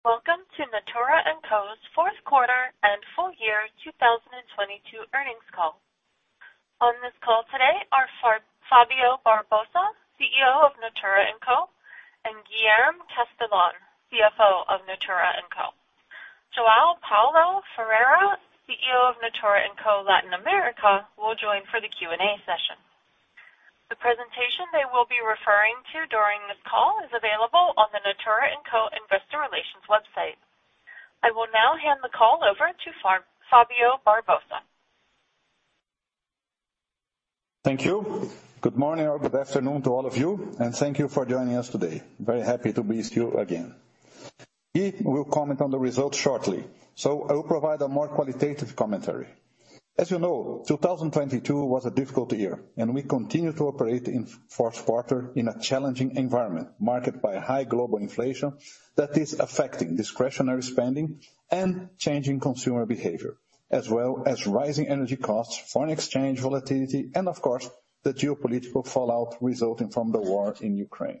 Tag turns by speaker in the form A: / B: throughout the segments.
A: Welcome to Natura & Co's Fourth Quarter and Full Year 2022 Earnings Call. On this call today are Fábio Barbosa, CEO of Natura & Co, and Guilherme Castellan, CFO of Natura & Co., will join for the Q&A session. The presentation they will be referring to during this call is available on the Natura & Co investor relations website. I will now hand the call over to Fábio Barbosa.
B: Thank you. Good morning or good afternoon to all of you, and thank you for joining us today. Very happy to be with you again. Gui will comment on the results shortly, so I will provide a more qualitative commentary. As you know, 2022 was a difficult year, and we continued to operate in fourth quarter in a challenging environment, marked by high global inflation that is affecting discretionary spending and changing consumer behavior, as well as rising energy costs, foreign exchange volatility, and of course, the geopolitical fallout resulting from the war in Ukraine.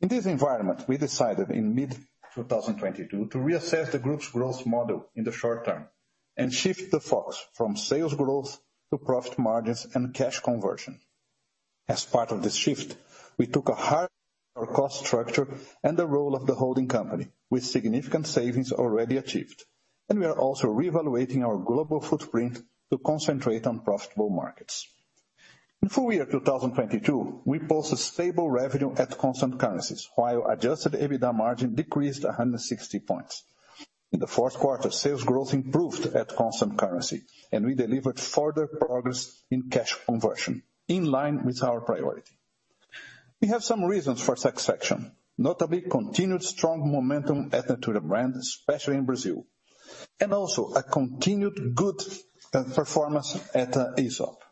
B: In this environment, we decided in mid-2022 to reassess the group's growth model in the short term and shift the focus from sales growth to profit margins and cash conversion. As part of this shift, we took a hard look at our cost structure and the role of the holding company, with significant savings already achieved. We are also reevaluating our global footprint to concentrate on profitable markets. In full year 2022, we posted stable revenue at constant currencies, while adjusted EBITDA margin decreased 160 points. In the fourth quarter, sales growth improved at constant currency, and we delivered further progress in cash conversion, in line with our priority. We have some reasons for such action, notably continued strong momentum at Natura, especially in Brazil, and also a continued good performance at Aesop.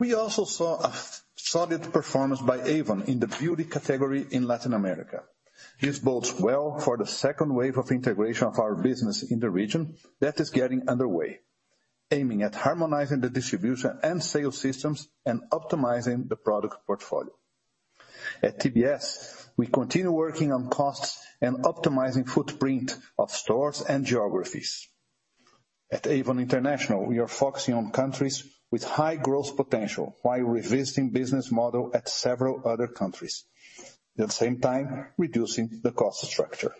B: We also saw a solid performance by Avon in the beauty category in Latin America. This bodes well for the second wave of integration of our business in the region that is getting underway, aiming at harmonizing the distribution and sales systems and optimizing the product portfolio. At TBS, we continue working on costs and optimizing footprint of stores and geographies. At Avon International, we are focusing on countries with high growth potential while revisiting business model at several other countries. At the same time, reducing the cost structure.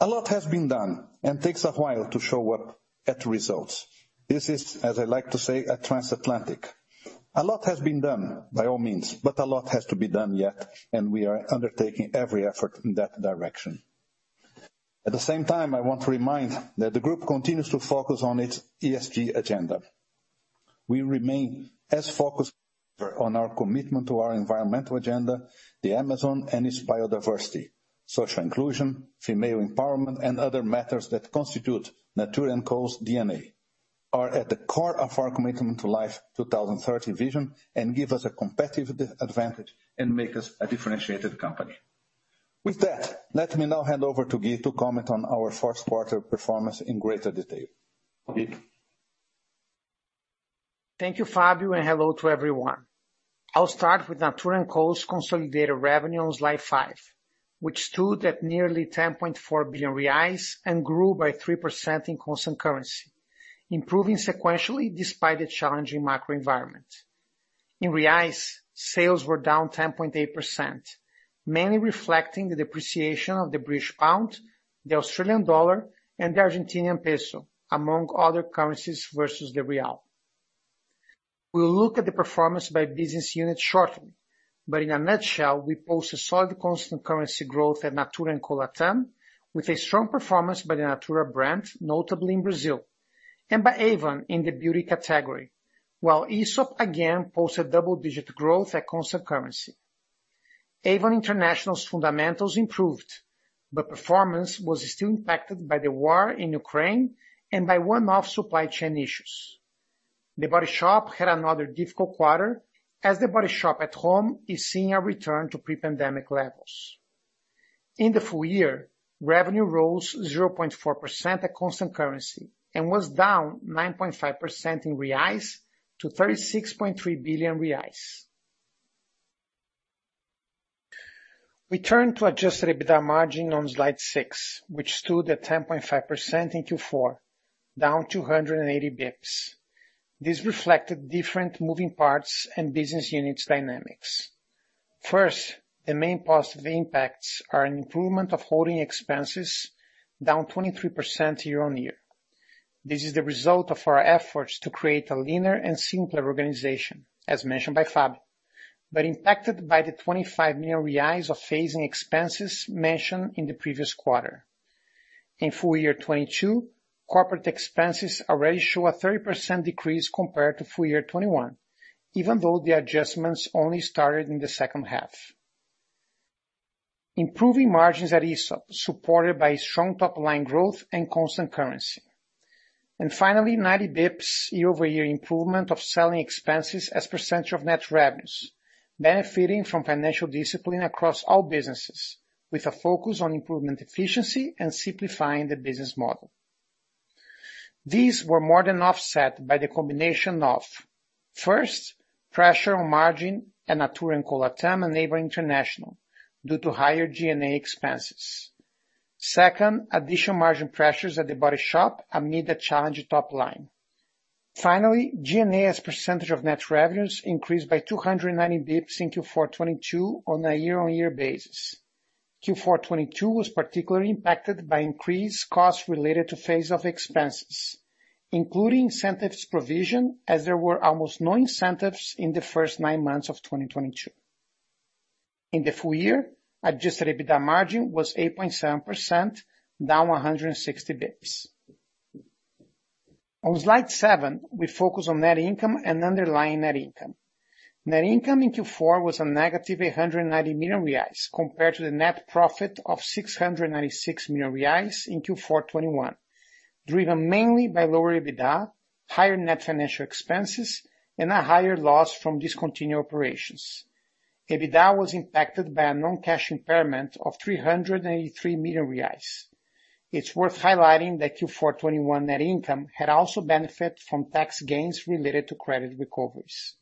B: A lot has been done and takes a while to show up at results. This is, as I like to say, at Transatlantic. A lot has been done, by all means, but a lot has to be done yet, and we are undertaking every effort in that direction. At the same time, I want to remind that the group continues to focus on its ESG agenda. We remain as focused on our commitment to our environmental agenda, the Amazon and its biodiversity, social inclusion, female empowerment, and other matters that constitute Natura &Co's DNA, are at the core of our Commitment to Life 2030 vision and give us a competitive advantage and make us a differentiated company. With that, let me now hand over to Gui to comment on our fourth quarter performance in greater detail. Gui?
C: Thank you, Fabio. Hello to everyone. I'll start with Natura &Co's consolidated revenue on slide five, which stood at nearly 10.4 billion reais and grew by 3% in constant currency, improving sequentially despite the challenging macro environment. In reais, sales were down 10.8%, mainly reflecting the depreciation of the British pound, the Australian dollar, and the Argentinian peso, among other currencies versus the real. We'll look at the performance by business unit shortly, but in a nutshell, we post a solid constant currency growth at Natura &Co Latin, with a strong performance by the Natura brand, notably in Brazil, and by Avon in the beauty category. While Aesop again posted double-digit growth at constant currency. Avon International's fundamentals improved, but performance was still impacted by the war in Ukraine and by one-off supply chain issues. The Body Shop had another difficult quarter, as The Body Shop At Home is seeing a return to pre-pandemic levels. In the full year, revenue rose 0.4% at constant currency and was down 9.5% in BRL to 36.3 billion reais. We turn to adjusted EBITDA margin on slide six, which stood at 10.5% in Q4, down 280 bips. This reflected different moving parts and business units dynamics. First, the main positive impacts are an improvement of holding expenses down 23% year-over-year. This is the result of our efforts to create a leaner and simpler organization, as mentioned by Fábio, but impacted by the 25 million reais of phasing expenses mentioned in the previous quarter. In full year 2022, corporate expenses already show a 30% decrease compared to full year 2021, even though the adjustments only started in the second half. Improving margins at Aesop, supported by strong top-line growth and constant currency. 90 basis points year-over-year improvement of selling expenses as percentage of net revenues, benefiting from financial discipline across all businesses with a focus on improvement efficiency and simplifying the business model. These were more than offset by the combination of, first, pressure on margin at Natura &Co LATAM and Avon International due to higher G&A expenses. Second, additional margin pressures at The Body Shop amid a challenging top line. G&A as percentage of net revenues increased by 290 basis points in Q4 '22 on a year-on-year basis. Q4 '22 was particularly impacted by increased costs related to phase of expenses, including incentives provision, as there were almost no incentives in the first nine months of 2022. In the full year, adjusted EBITDA margin was 8.7%, down 160 basis points. On slide 7, we focus on net income and underlying net income. Net income in Q4 was a negative 890 million reais compared to the net profit of 696 million reais in Q4 '21, driven mainly by lower EBITDA, higher net financial expenses, and a higher loss from discontinued operations. EBITDA was impacted by a non-cash impairment of 383 million reais. It's worth highlighting that Q4 '21 net income had also benefited from tax gains related to credit recoveries.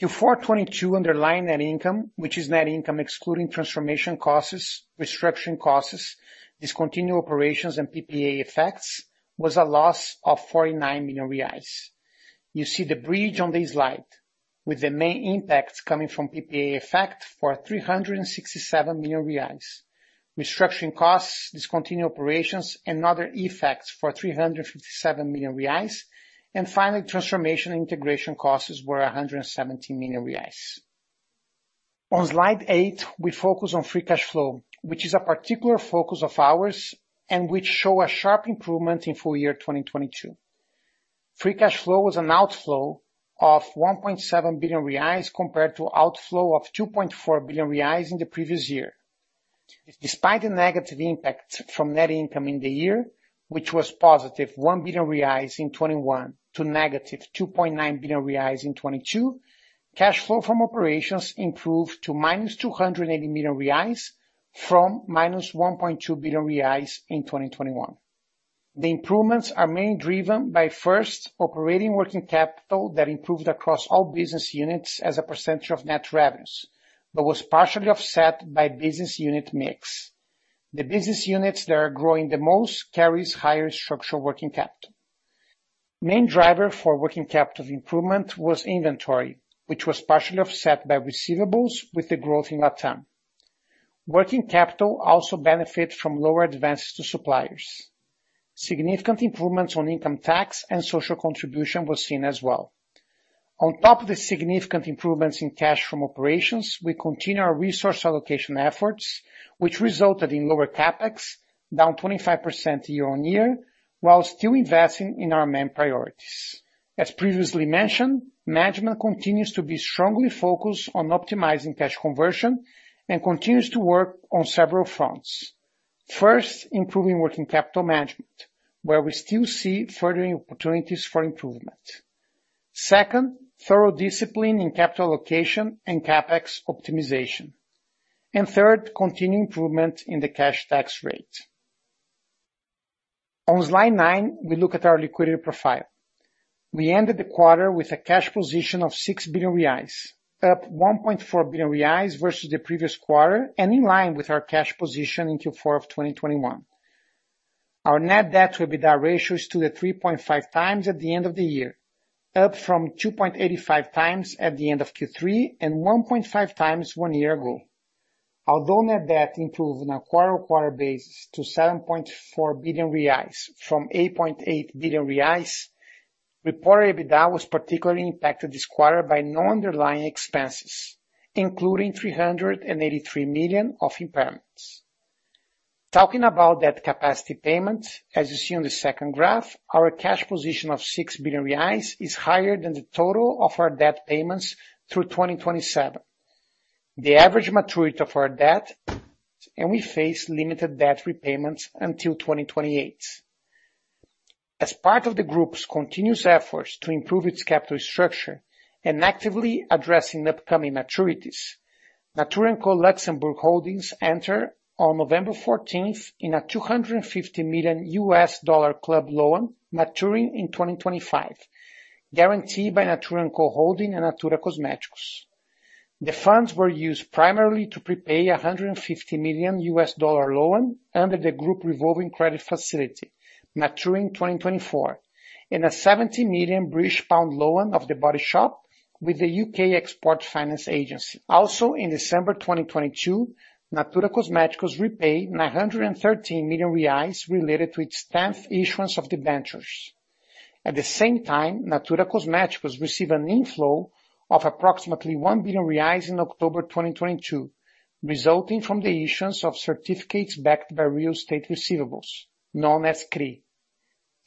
C: Q4 2022 underlying net income, which is net income excluding transformation costs, restructuring costs, discontinued operations, and PPA effects, was a loss of 49 million reais. You see the bridge on the slide, with the main impacts coming from PPA effect for 367 million reais. Restructuring costs, discontinued operations, and other effects for 357 million reais. Finally, transformation and integration costs were 117 million reais. On Slide eight, we focus on free cash flow, which is a particular focus of ours and which show a sharp improvement in full year 2022. Free cash flow was an outflow of 1.7 billion reais compared to outflow of 2.4 billion reais in the previous year. Despite the negative impact from net income in the year, which was +1 billion reais in 2021 to -2.9 billion reais in 2022, cash flow from operations improved to -280 million reais from -1.2 billion reais in 2021. The improvements are mainly driven by, first, operating working capital that improved across all business units as a percentage of net revenues, was partially offset by business unit mix. The business units that are growing the most carries higher structural working capital. Main driver for working capital improvement was inventory, which was partially offset by receivables with the growth in LatAm. Working capital also benefit from lower advances to suppliers. Significant improvements on income tax and social contribution was seen as well. On top of the significant improvements in cash from operations, we continue our resource allocation efforts, which resulted in lower CapEx, down 25% year-on-year, while still investing in our main priorities. As previously mentioned, management continues to be strongly focused on optimizing cash conversion and continues to work on several fronts. First, improving working capital management, where we still see furthering opportunities for improvement. Second, thorough discipline in capital allocation and CapEx optimization. Third, continued improvement in the cash tax rate. On slide nine, we look at our liquidity profile. We ended the quarter with a cash position of 6 billion reais, up 1.4 billion reais versus the previous quarter and in line with our cash position in Q4 of 2021. Our net debt to EBITDA ratio is still at 3.5x at the end of the year, up from 2.85x at the end of Q3 and 1.5x one year ago. Although net debt improved on a quarter-on-quarter basis to 7.4 billion reais from 8.8 billion reais, reported EBITDA was particularly impacted this quarter by non-underlying expenses, including 383 million of impairments. Talking about debt capacity payment, as you see on the second graph, our cash position of 6 billion reais is higher than the total of our debt payments through 2027. We face limited debt repayments until 2028. As part of the group's continuous efforts to improve its capital structure and actively addressing upcoming maturities, Natura & Co Luxembourg Holdings enter on November 14th in a $250 million club loan maturing in 2025, guaranteed by Natura & Co Holdings and Natura Cosméticos. The funds were used primarily to prepay a $150 million loan under the group revolving credit facility maturing 2024 and a 70 million British pound loan of The Body Shop with the UK Export Finance Agency. In December 2022, Natura Cosméticos repaid 913 million reais related to its 10th issuance of debentures. At the same time, Natura Cosméticos received an inflow of approximately 1 billion reais in October 2022, resulting from the issuance of certificates backed by real estate receivables, known as CRI.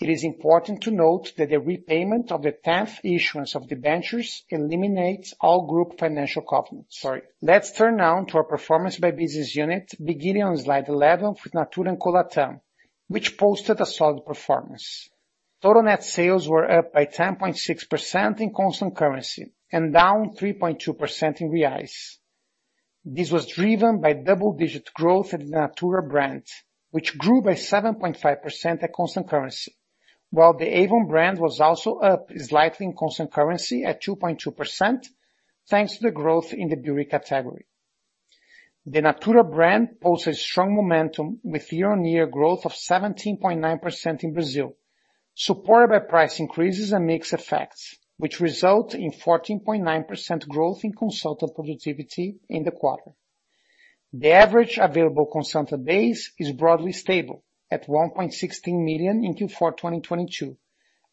C: It is important to note that the repayment of the 10th issuance of debentures eliminates all group financial covenants. Sorry. Let's turn now to our performance by business unit, beginning on slide 11 with Natura &Co LatAm, which posted a solid performance. Total net sales were up by 10.6% in constant currency and down 3.2% in BRL. This was driven by double-digit growth at Natura brand, which grew by 7.5% at constant currency. While the Avon brand was also up slightly in constant currency at 2.2%, thanks to the growth in the beauty category. The Natura brand posted strong momentum with year-on-year growth of 17.9% in Brazil, supported by price increases and mixed effects, which result in 14.9% growth in consultant productivity in the quarter. The average available consultant base is broadly stable at 1.16 million in Q4, 2022,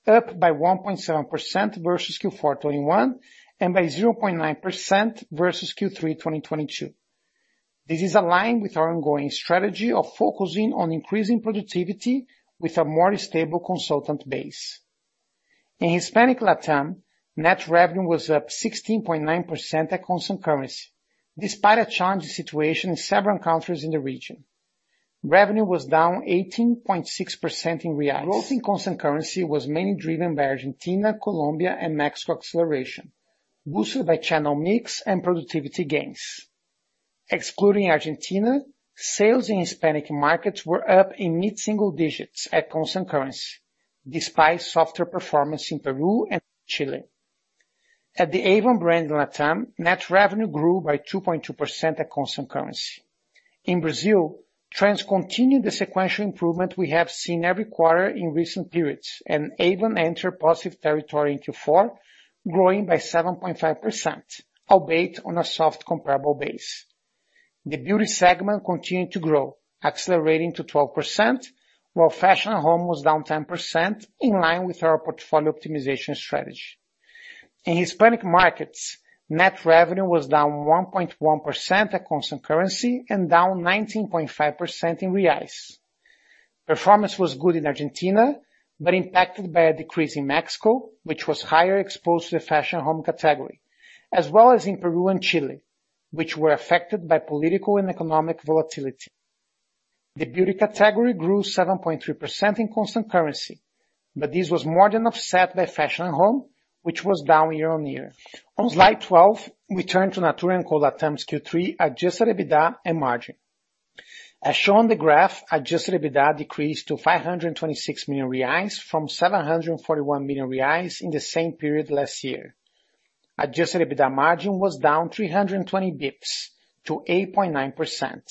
C: up by 1.7% versus Q4, 2021, and by 0.9% versus Q3, 2022. This is aligned with our ongoing strategy of focusing on increasing productivity with a more stable consultant base. In Hispanic LatAm, net revenue was up 16.9% at constant currency, despite a challenging situation in several countries in the region. Revenue was down 18.6% in BRL. Growth in constant currency was mainly driven by Argentina, Colombia, and Mexico acceleration, boosted by channel mix and productivity gains. Excluding Argentina, sales in Hispanic markets were up in mid-single digits at constant currency, despite softer performance in Peru and Chile. At the Avon brand in LatAm, net revenue grew by 2.2% at constant currency. In Brazil, trends continued the sequential improvement we have seen every quarter in recent periods, Avon entered positive territory in Q4, growing by 7.5%, albeit on a soft comparable base. The beauty segment continued to grow, accelerating to 12%, while Fashion & Home was down 10%, in line with our portfolio optimization strategy. In Hispanic markets, net revenue was down 1.1% at constant currency and down 19.5% in BRL. Performance was good in Argentina, impacted by a decrease in Mexico, which was higher exposed to the Fashion & Home category, as well as in Peru and Chile, which were affected by political and economic volatility. The beauty category grew 7.3% in constant currency, this was more than offset by Fashion & Home, which was down year on year. On slide 12, we turn to Natura &Co LatAm's Q3 Adjusted EBITDA and margin. As shown on the graph, Adjusted EBITDA decreased to 526 million reais from 741 million reais in the same period last year. Adjusted EBITDA margin was down 320 basis points to 8.9%.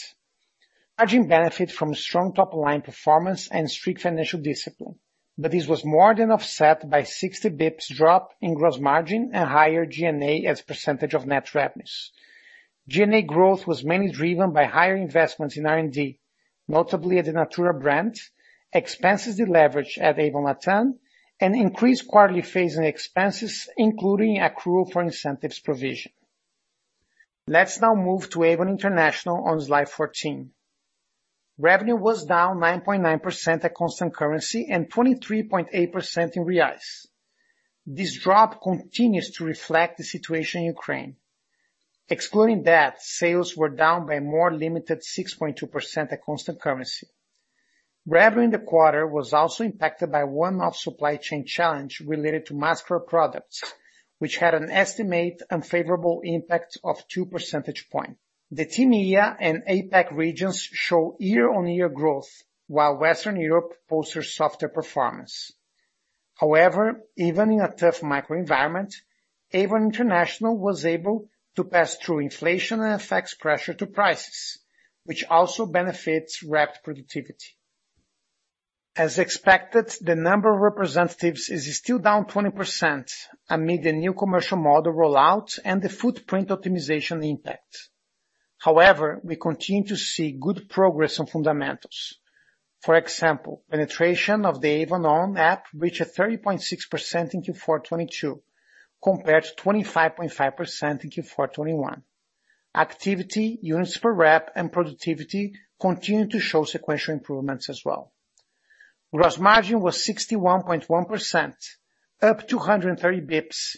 C: Margin benefit from strong top-line performance and strict financial discipline, but this was more than offset by 60 basis points drop in gross margin and higher G&A as a percentage of net revenues. G&A growth was mainly driven by higher investments in R&D, notably at the Natura brand, expenses deleverage at Avon LatAm, and increased quarterly phasing expenses, including accrual for incentives provision. Let's now move to Avon International on slide 14. Revenue was down 9.9% at constant currency and 23.8% in BRL. This drop continues to reflect the situation in Ukraine. Excluding that, sales were down by a more limited 6.2% at constant currency. Revenue in the quarter was also impacted by one-off supply chain challenge related to mascara products, which had an estimate unfavorable impact of 2% point. The TMEA and APAC regions show year-on-year growth, while Western Europe posts a softer performance. Even in a tough microenvironment, Avon International was able to pass through inflation and effects pressure to prices, which also benefits rep productivity. As expected, the number of representatives is still down 20% amid the new commercial model rollout and the footprint optimization impact. We continue to see good progress on fundamentals. For example, penetration of the Avon ON app reached a 30.6% in Q4, 2022 compared to 25.5% in Q4, 2021. Activity, units per rep, and productivity continue to show sequential improvements as well. Gross margin was 61.1%, up 230 basis points,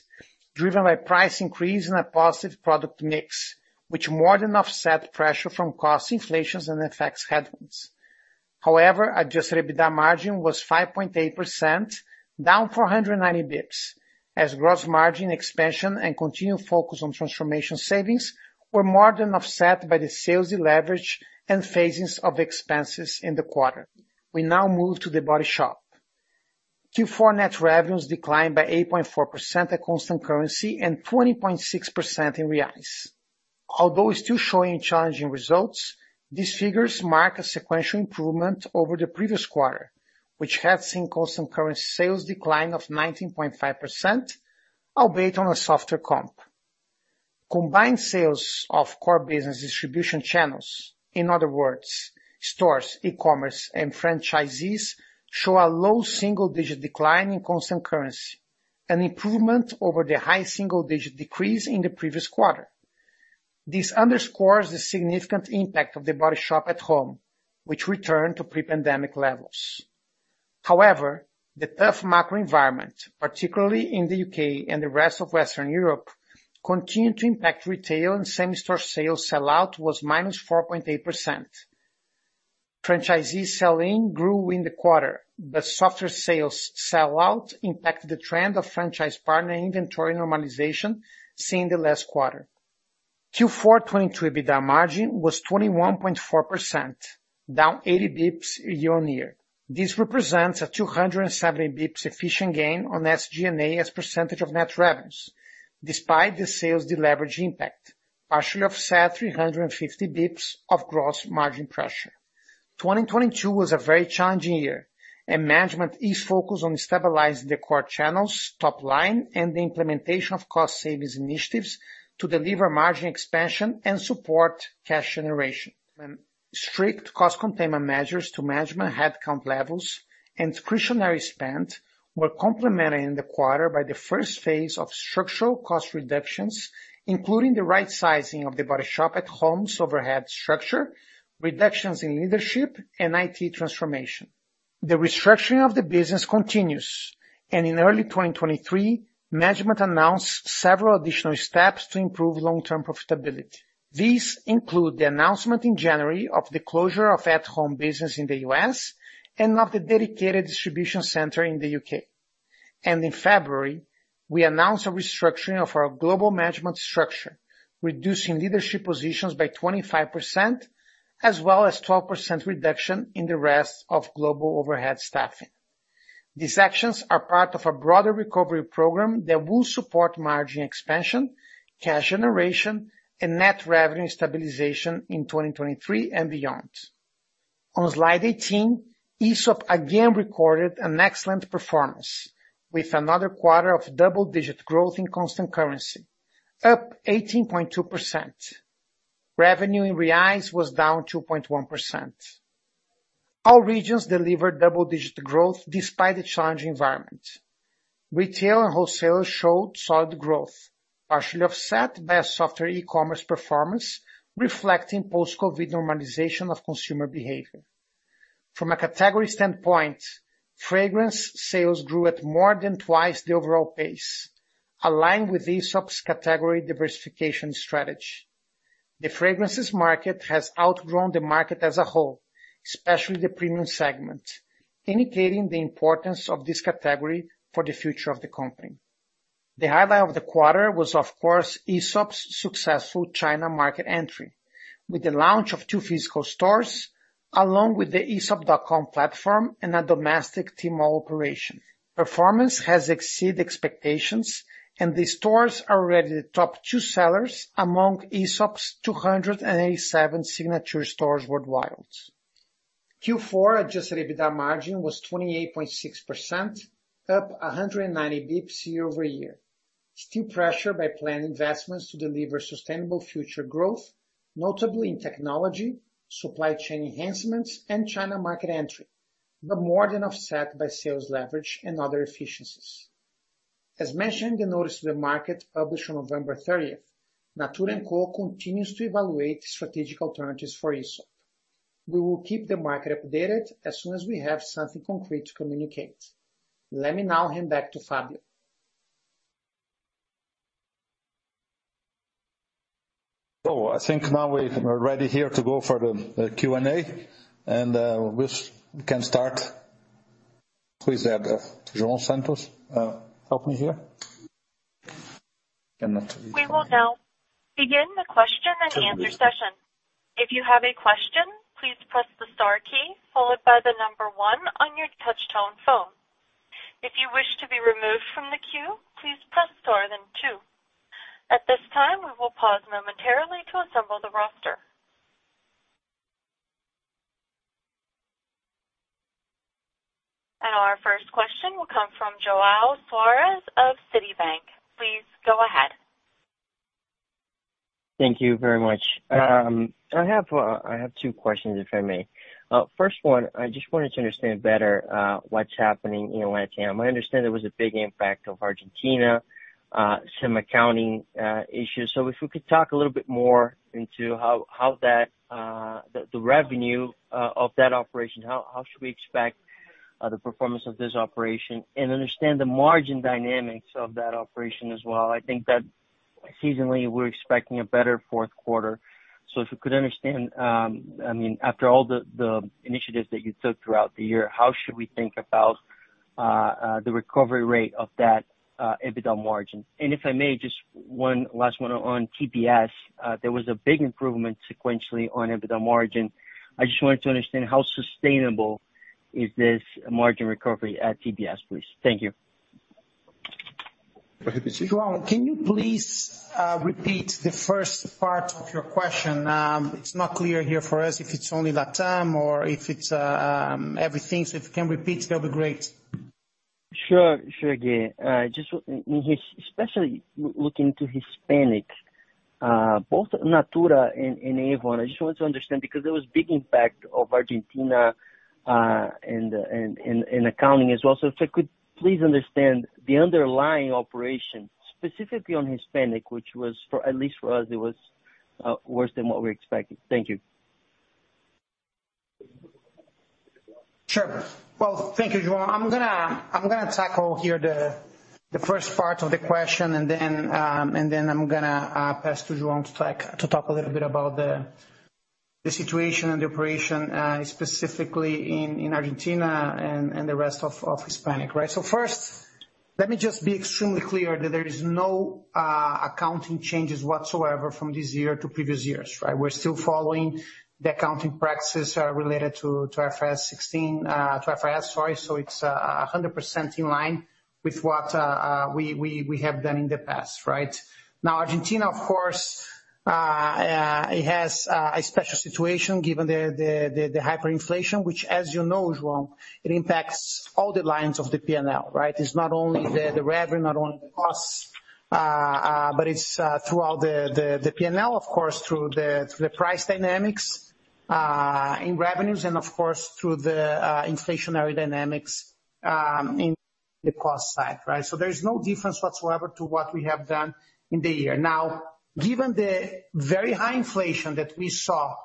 C: driven by price increase in a positive product mix, which more than offset pressure from cost inflations and effects headwinds. Adjusted EBITDA margin was 5.8%, down 490 basis points, as gross margin expansion and continued focus on transformation savings were more than offset by the sales deleverage and phasings of expenses in the quarter. We now move to The Body Shop. Q4 net revenues declined by 8.4% at constant currency and 20.6% in BRL. Still showing challenging results, these figures mark a sequential improvement over the previous quarter, which had seen constant currency sales decline of 19.5%, albeit on a softer comp. Combined sales of core business distribution channels, in other words, stores, e-commerce, and franchisees, show a low single-digit decline in constant currency, an improvement over the high single-digit decrease in the previous quarter. This underscores the significant impact of The Body Shop At Home, which returned to pre-pandemic levels. However, the tough macro environment, particularly in the U.K. and the rest of Western Europe, continued to impact retail and same-store sales sellout was -4.8%. Franchisees sell-in grew in the quarter, but softer sales sell out impacted the trend of franchise partner inventory normalization seen in the last quarter. Q4 2022 EBITDA margin was 21.4%, down 80 bips year-on-year. This represents a 270 bips efficient gain on SG&A as % of net revenues despite the sales deleverage impact, partially offset 350 bips of gross margin pressure. 2022 was a very challenging year. Management is focused on stabilizing the core channels, top line, and the implementation of cost savings initiatives to deliver margin expansion and support cash generation. Strict cost containment measures to management headcount levels and discretionary spend were complemented in the quarter by the first phase of structural cost reductions, including the right sizing of The Body Shop At Home's overhead structure, reductions in leadership and IT transformation. The restructuring of the business continues. In early 2023, management announced several additional steps to improve long-term profitability. These include the announcement in January of the closure of at-home business in the U.S. and of the dedicated distribution center in the U.K. In February, we announced a restructuring of our global management structure, reducing leadership positions by 25% as well as 12% reduction in the rest of global overhead staffing. These actions are part of a broader recovery program that will support margin expansion, cash generation, and net revenue stabilization in 2023 and beyond. On slide 18, Aesop again recorded an excellent performance with another quarter of double-digit growth in constant currency, up 18.2%. Revenue in Reais was down 2.1%. All regions delivered double-digit growth despite the challenging environment. Retail and wholesalers showed solid growth, partially offset by a softer e-commerce performance reflecting post-COVID normalization of consumer behavior. From a category standpoint, fragrance sales grew at more than twice the overall pace, aligned with Aesop's category diversification strategy. The fragrances market has outgrown the market as a whole, especially the premium segment, indicating the importance of this category for the future of the company. The highlight of the quarter was, of course, Aesop's successful China market entry, with the launch of two physical stores along with the Aesop.com platform and a domestic Tmall operation. Performance has exceeded expectations, and the stores are already the top two sellers among Aesop's 287 signature stores worldwide. Q4 adjusted EBITDA margin was 28.6%, up 190 bips year-over-year. Still pressured by planned investments to deliver sustainable future growth, notably in technology, supply chain enhancements, and China market entry, but more than offset by sales leverage and other efficiencies. As mentioned in the notice to the market published on November 30th, Natura & Co continues to evaluate strategic alternatives for Aesop. We will keep the market updated as soon as we have something concrete to communicate. Let me now hand back to Fabio.
D: I think now we're ready here to go for the Q&A, and we can start. Who is that? Joan Santos, help me here. Cannot read from here.
A: We will now begin the question and answer session. If you have a question, please press the star key followed by one on your touchtone phone. If you wish to be removed from the queue, please press star then two. At this time, we will pause momentarily to assemble the roster. Our first question will come from João Soares of Citibank. Please go ahead.
E: Thank you very much. I have two questions, if I may. First one, I just wanted to understand better what's happening in LatAm. I understand there was a big impact of Argentina, some accounting issues. If you could talk a little bit more into how that the revenue of that operation, how should we expect the performance of this operation and understand the margin dynamics of that operation as well? I think that seasonally we're expecting a better fourth quarter. If you could understand, I mean, after all the initiatives that you took throughout the year, how should we think about the recovery rate of that EBITDA margin? If I may, just one last one on TBS. There was a big improvement sequentially on EBITDA margin. I just wanted to understand how sustainable is this margin recovery at TBS, please. Thank you.
D: Go ahead, please.
C: João, can you please repeat the first part of your question? It's not clear here for us if it's only LatAm or if it's everything. If you can repeat, that'd be great.
E: Sure. Sure, Gui. Just especially looking to Hispanic, both Natura and Avon, I just want to understand because there was big impact of Argentina and accounting as well. If I could please understand the underlying operation, specifically on Hispanic, which was for, at least for us, it was worse than what we expected. Thank you.
C: Thank you, João. I'm gonna tackle here the first part of the question. Then I'm gonna pass to João to talk a little bit about the situation and the operation specifically in Argentina and the rest of Hispanic, right? First, let me just be extremely clear that there is no accounting changes whatsoever from this year to previous years, right? We're still following the accounting practices related to IFRS 16, to IFRS, sorry, it's 100% in line with what we have done in the past, right? Argentina, of course, it has a special situation given the hyperinflation, which as you know, João, it impacts all the lines of the P&L, right? It's not only the revenue, not only the costs, but it's throughout the P&L, of course, through the price dynamics in revenues and of course, through the inflationary dynamics in the cost side, right? There's no difference whatsoever to what we have done in the year. Now, given the very high inflation that we saw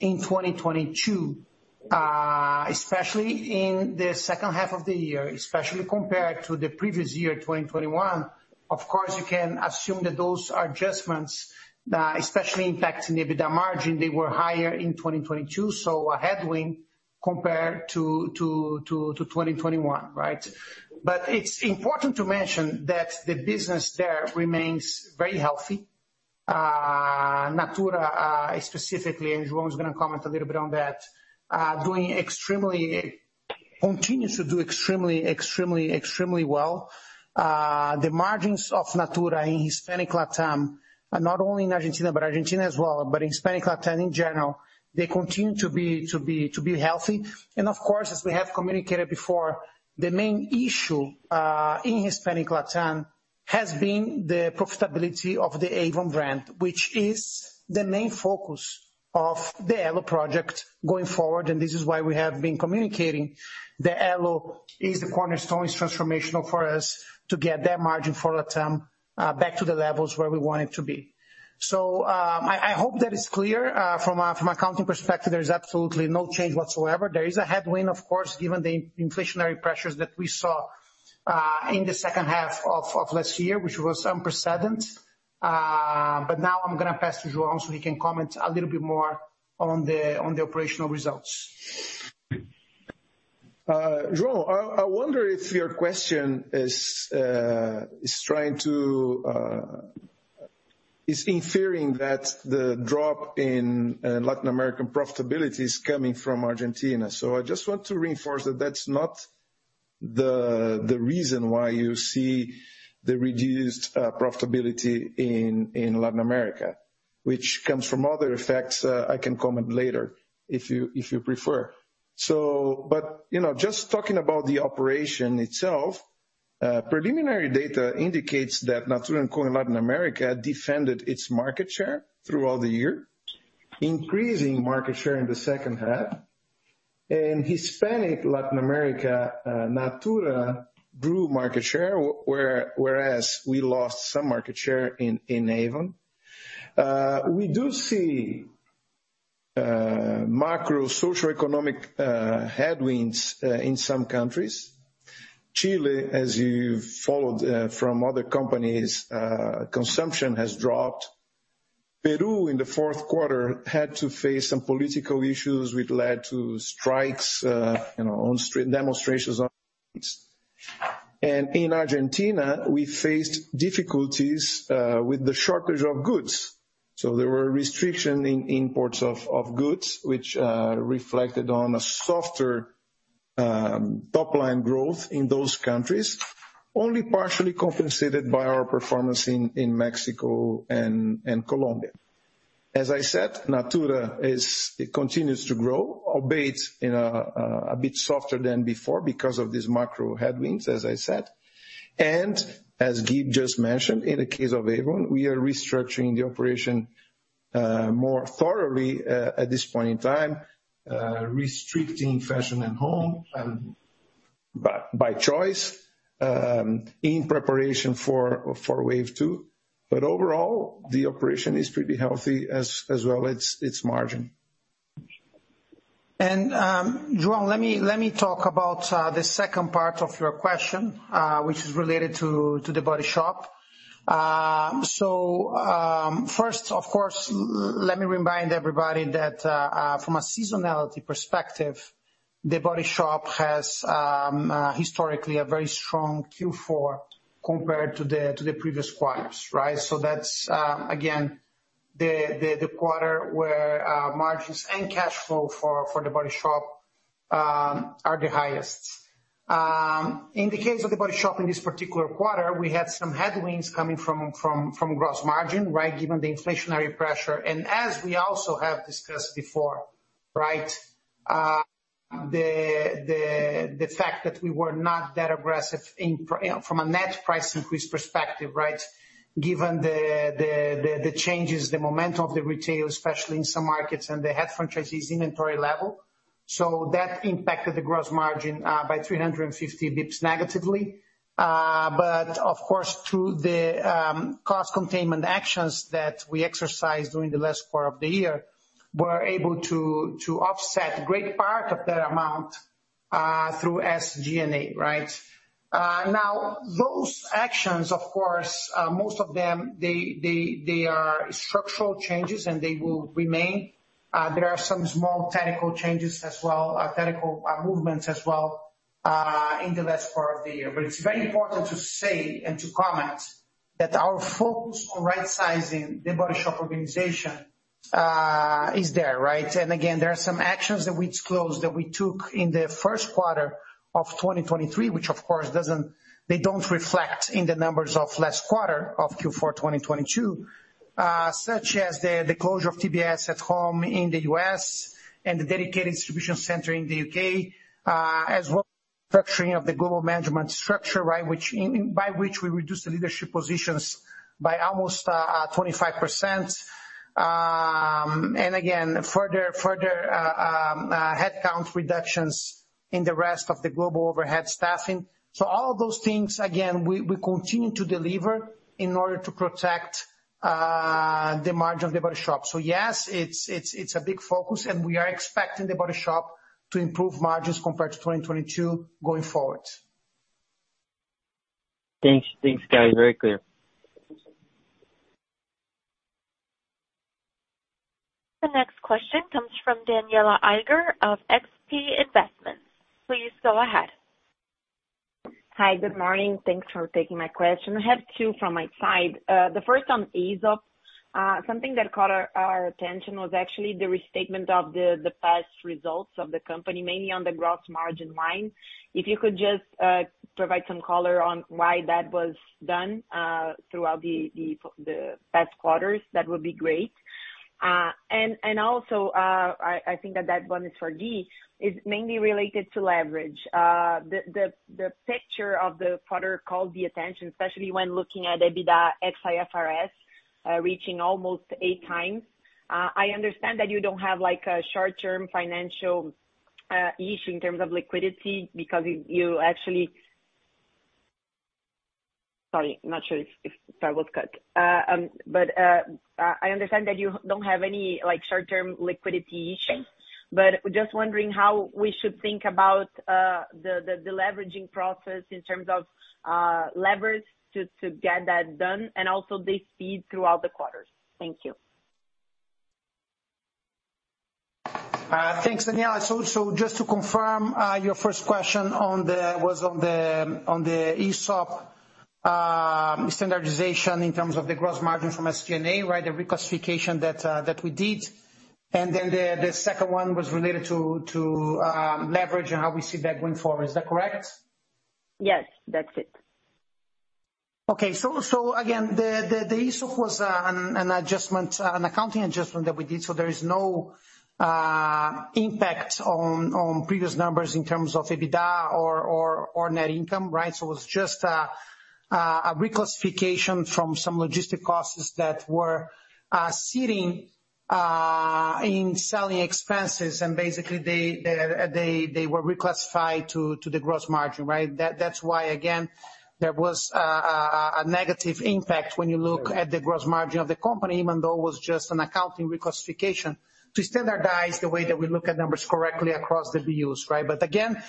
C: in 2022, especially in the second half of the year, especially compared to the previous year, 2021, of course, you can assume that those adjustments that especially impact the EBITDA margin, they were higher in 2022, so a headwind compared to 2021, right? It's important to mention that the business there remains very healthy. Natura specifically, and João is gonna comment a little bit on that, doing extremely... Continues to do extremely, extremely well. The margins of Natura in Hispanic LatAm, not only in Argentina, but Argentina as well, but in Hispanic LatAm in general, they continue to be healthy. Of course, as we have communicated before, the main issue in Hispanic LatAm has been the profitability of the Avon brand, which is the main focus of the ALO project going forward. This is why we have been communicating that ALO is the cornerstone, it's transformational for us to get that margin for LatAm back to the levels where we want it to be. I hope that is clear from a accounting perspective, there is absolutely no change whatsoever. There is a headwind, of course, given the inflationary pressures that we saw, in the second half of last year, which was unprecedented. Now I'm gonna pass to João, so he can comment a little bit more on the operational results.
D: João, I wonder if your question is inferring that the drop in Latin American profitability is coming from Argentina. I just want to reinforce that that's not the reason why you see the reduced profitability in Latin America, which comes from other effects, I can comment later if you prefer. You know, just talking about the operation itself, preliminary data indicates that Natura & Co in Latin America defended its market share throughout the year, increasing market share in the second half. In Hispanic Latin America, Natura grew market share, whereas we lost some market share in Avon. We do see macro socio-economic headwinds in some countries. Chile, as you've followed from other companies, consumption has dropped. Peru, in the 4th quarter, had to face some political issues which led to strikes, you know, on street, demonstrations. In Argentina, we faced difficulties with the shortage of goods. There were restriction in imports of goods, which reflected on a softer top-line growth in those countries, only partially compensated by our performance in Mexico and Colombia. As I said, Natura it continues to grow, albeit in a bit softer than before because of these macro headwinds, as I said. As Gui just mentioned, in the case of Avon, we are restructuring the operation more thoroughly at this point in time, restricting Fashion & Home by choice, in preparation for Wave 2. Overall, the operation is pretty healthy as well its margin.
C: João, let me talk about the second part of your question, which is related to The Body Shop. First, of course, let me remind everybody that from a seasonality perspective, The Body Shop has historically a very strong Q4 compared to the previous quarters, right? That's again, the quarter where margins and cash flow for The Body Shop are the highest. In the case of The Body Shop in this particular quarter, we had some headwinds coming from gross margin, right? Given the inflationary pressure. As we also have discussed before, right, the fact that we were not that aggressive from a net price increase perspective, right? Given the changes, the momentum of the retail, especially in some markets and the head franchisees' inventory level. That impacted the gross margin by 350 basis points negatively. Of course, through the cost containment actions that we exercised during the last quarter of the year, we're able to offset great part of that amount through SG&A, right? Those actions, of course, most of them, they are structural changes and they will remain. There are some small technical changes as well, technical movements as well, in the last part of the year. It's very important to say and to comment that our focus on rightsizing The Body Shop organization is there, right? Again, there are some actions that we disclosed that we took in the first quarter of 2023, which of course they don't reflect in the numbers of last quarter, of Q4 2022, such as the closure of TBS At Home in the U.S. and the dedicated distribution center in the U.K., as well structuring of the global management structure, right, by which we reduced the leadership positions by almost 25%. Again, further headcount reductions in the rest of the global overhead staffing. All of those things, again, we continue to deliver in order to protect the margin of The Body Shop. Yes, it's a big focus and we are expecting The Body Shop to improve margins compared to 2022 going forward.
E: Thanks. Thanks, guys. Very clear.
A: The next question comes from Danniela Eiger of XP Investimentos. Please go ahead.
F: Hi, good morning. Thanks for taking my question. I have two from my side. The first on Aesop. Something that caught our attention was actually the restatement of the past results of the company, mainly on the gross margin line. If you could just provide some color on why that was done throughout the past quarters, that would be great. Also, I think that one is for Guy, is mainly related to leverage. The picture of the quarter called the attention, especially when looking at EBITDA ex-IFRS 16, reaching almost eight times. I understand that you don't have, like, a short-term financial issue in terms of liquidity because you actually... Sorry, I'm not sure if Fábio was cut. I understand that you don't have any, like, short-term liquidity issues. Just wondering how we should think about the deleveraging process in terms of levers to get that done and also the speed throughout the quarters. Thank you.
C: Thanks, Daniela. So, just to confirm, your first question was on the Aesop standardization in terms of the gross margin from SG&A, right? The reclassification that we did. The second one was related to leverage and how we see that going forward. Is that correct?
F: Yes, that's it.
C: Again, the ESOP was an accounting adjustment that we did, there is no impact on previous numbers in terms of EBITDA or net income, right? It's just a reclassification from some logistic costs that were sitting in selling expenses, basically they were reclassified to the gross margin, right? That's why, again, there was a negative impact when you look at the gross margin of the company, even though it was just an accounting reclassification to standardize the way that we look at numbers correctly across the BUs, right? Again,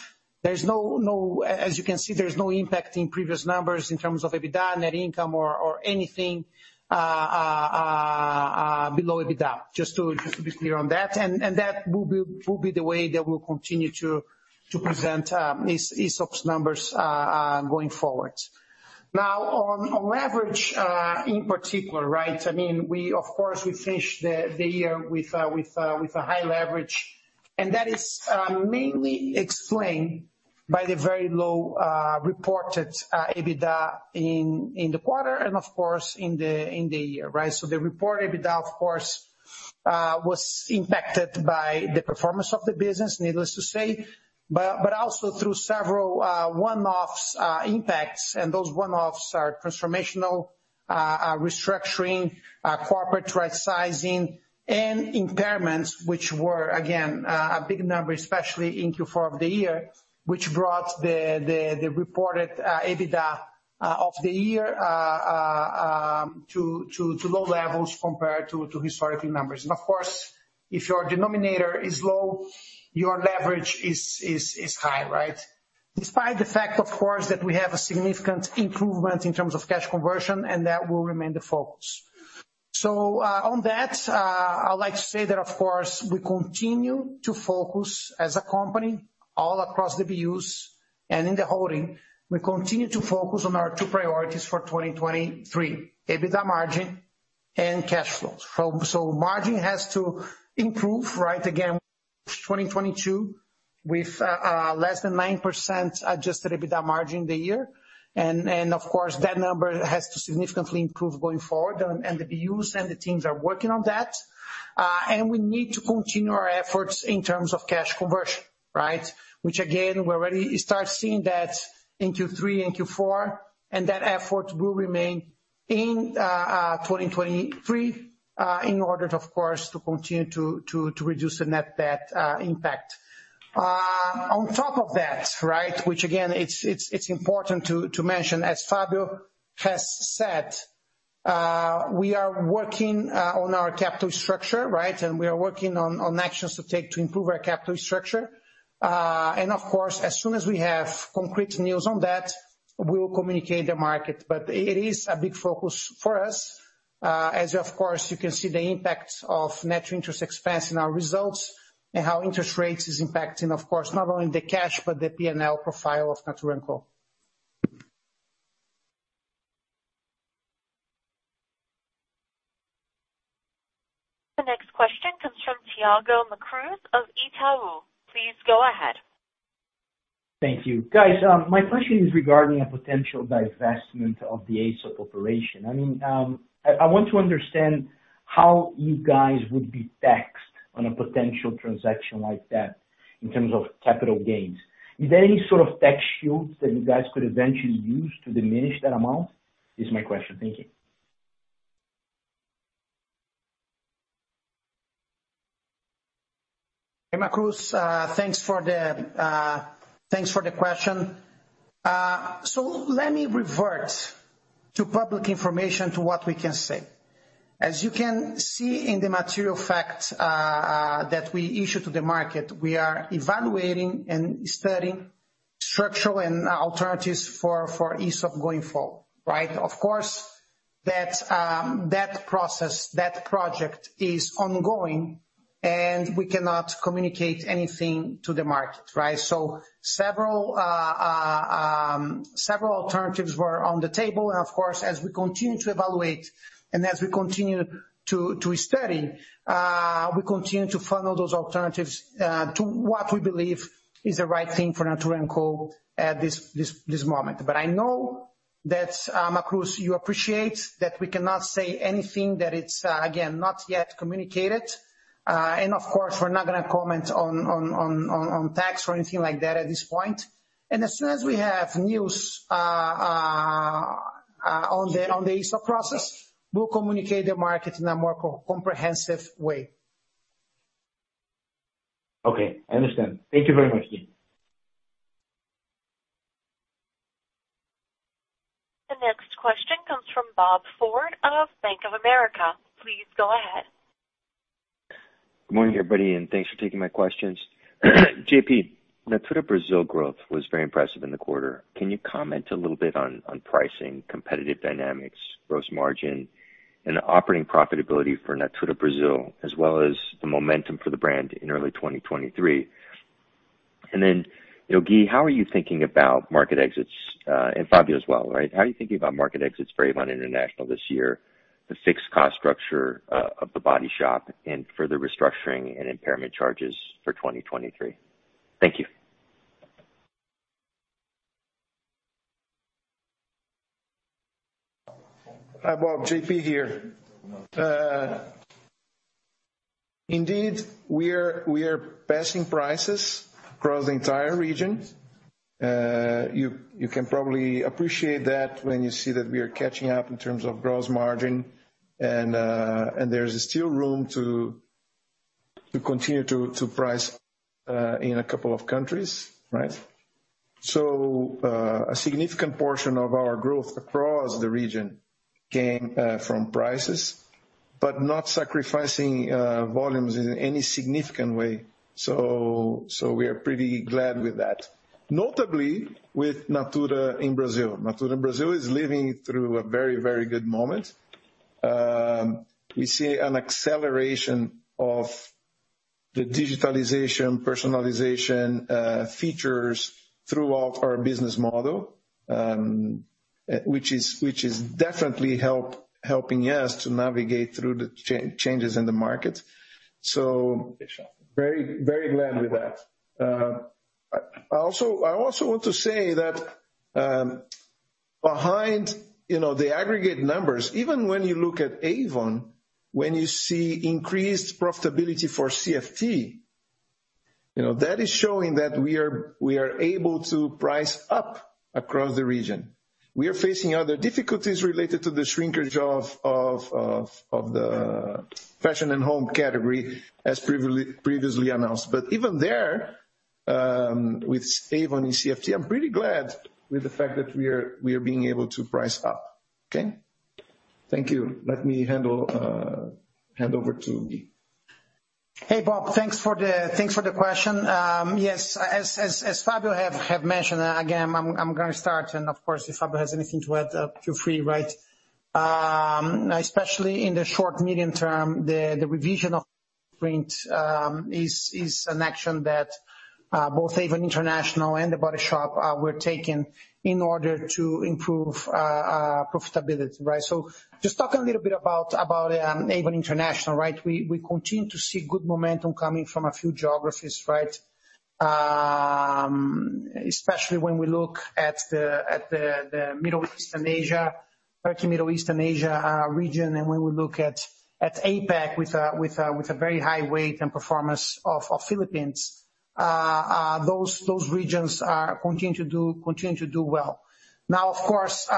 C: there's no. As you can see, there's no impact in previous numbers in terms of EBITDA, net income, or anything below EBITDA. Just to be clear on that. That will be the way that we'll continue to present ESOP's numbers going forward. On leverage in particular, right? I mean, we of course we finish the year with a high leverage, and that is mainly explained by the very low reported EBITDA in the quarter and of course in the year, right? The reported EBITDA, of course, was impacted by the performance of the business, needless to say, but also through several one-offs impacts. Those one-offs are transformational restructuring, corporate rightsizing and impairments, which were again, a big number, especially in Q4 of the year, which brought the reported EBITDA of the year to low levels compared to historical numbers. Of course, if your denominator is low, your leverage is high, right? Despite the fact, of course, that we have a significant improvement in terms of cash conversion, and that will remain the focus. On that, I would like to say that of course, we continue to focus as a company all across the BUs and in the holding. We continue to focus on our two priorities for 2023: EBITDA margin and cash flows. Margin has to improve, right? Again, 2022 with less than 9% adjusted EBITDA margin the year. Of course, that number has to significantly improve going forward. The BUs and the teams are working on that. We need to continue our efforts in terms of cash conversion, right? Which again, we already start seeing that in Q3 and Q4, and that effort will remain in 2023 in order of course, to continue to reduce the net debt impact. On top of that, right, which again, it's important to mention, as Fábio has said. We are working on our capital structure, right? We are working on actions to take to improve our capital structure. Of course, as soon as we have concrete news on that, we will communicate the market. It is a big focus for us, as of course you can see the impact of net interest expense in our results and how interest rates is impacting, of course, not only the cash but the P&L profile of Natura &Co.
A: The next question comes from Thiago Macruz of Itaú. Please go ahead.
G: Thank you. Guys, my question is regarding a potential divestment of the Aesop operation. I mean, I want to understand how you guys would be taxed on a potential transaction like that in terms of capital gains. Is there any sort of tax shields that you guys could eventually use to diminish that amount? Is my question. Thank you.
C: Hey, Macruz. Thanks for the question. Let me revert to public information to what we can say. As you can see in the material facts that we issued to the market, we are evaluating and studying structural and alternatives for Aesop going forward, right? Of course, that process, that project is ongoing, and we cannot communicate anything to the market, right? Several alternatives were on the table and of course, as we continue to evaluate and as we continue to study, we continue to funnel those alternatives to what we believe is the right thing for Natura &Co at this moment. I know that Macruz, you appreciate that we cannot say anything that it's again, not yet communicated. Of course, we're not gonna comment on tax or anything like that at this point. As soon as we have news on the Aesop process, we'll communicate the market in a more comprehensive way.
G: Okay. I understand. Thank you very much, Gui.
A: The next question comes from Robert Ford of Bank of America. Please go ahead.
H: Good morning, everybody, and thanks for taking my questions. JP, Natura Brazil growth was very impressive in the quarter. Can you comment a little bit on pricing, competitive dynamics, gross margin, and the operating profitability for Natura Brazil, as well as the momentum for the brand in early 2023? You know, Gui, how are you thinking about market exits, and Fábio as well, right? How are you thinking about market exits for Avon International this year, the fixed cost structure of The Body Shop and further restructuring and impairment charges for 2023? Thank you.
D: Hi, Bob. JP here. Indeed, we are passing prices across the entire region. You can probably appreciate that when you see that we are catching up in terms of gross margin and there's still room to continue to price in a couple of countries, right? A significant portion of our growth across the region came from prices, but not sacrificing volumes in any significant way. We are pretty glad with that. Notably with Natura in Brazil. Natura in Brazil is living through a very good moment. We see an acceleration of the digitalization, personalization features throughout our business model, which is definitely helping us to navigate through the changes in the market. Very glad with that. I also want to say that, behind, you know, the aggregate numbers, even when you look at Avon, when you see increased profitability for CFT, you know, that is showing that we are able to price up across the region. We are facing other difficulties related to the shrinkage of the Fashion & Home category, as previously announced. But even there, with Avon and CFT, I'm pretty glad with the fact that we are being able to price up. Okay? Thank you. Let me handle hand over to Gui.
C: Hey, Bob. Thanks for the question. Yes, as Fábio have mentioned, again, I'm gonna start, and of course, if Fábio has anything to add, feel free, right? Especially in the short, medium term, the revision of print is an action that both Avon International and The Body Shop were taking in order to improve profitability, right? Just talking a little bit about Avon International, right? We continue to see good momentum coming from a few geographies, right? Especially when we look at the Middle East and Asia, particularly Middle East and Asia region, and when we look at APAC with a very high weight and performance of Philippines. Those regions continue to do well. Of course,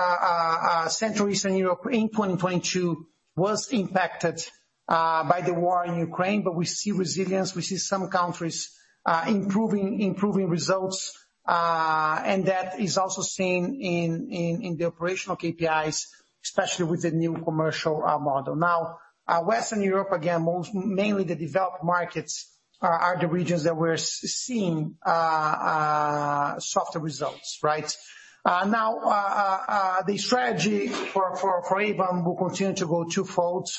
C: Central Eastern Europe in 2022 was impacted by the war in Ukraine, but we see resilience. We see some countries improving results. And that is also seen in the operational KPIs, especially with the new commercial model. Western Europe, again, mainly the developed markets are the regions that we're seeing softer results, right? The strategy for Avon will continue to go twofold.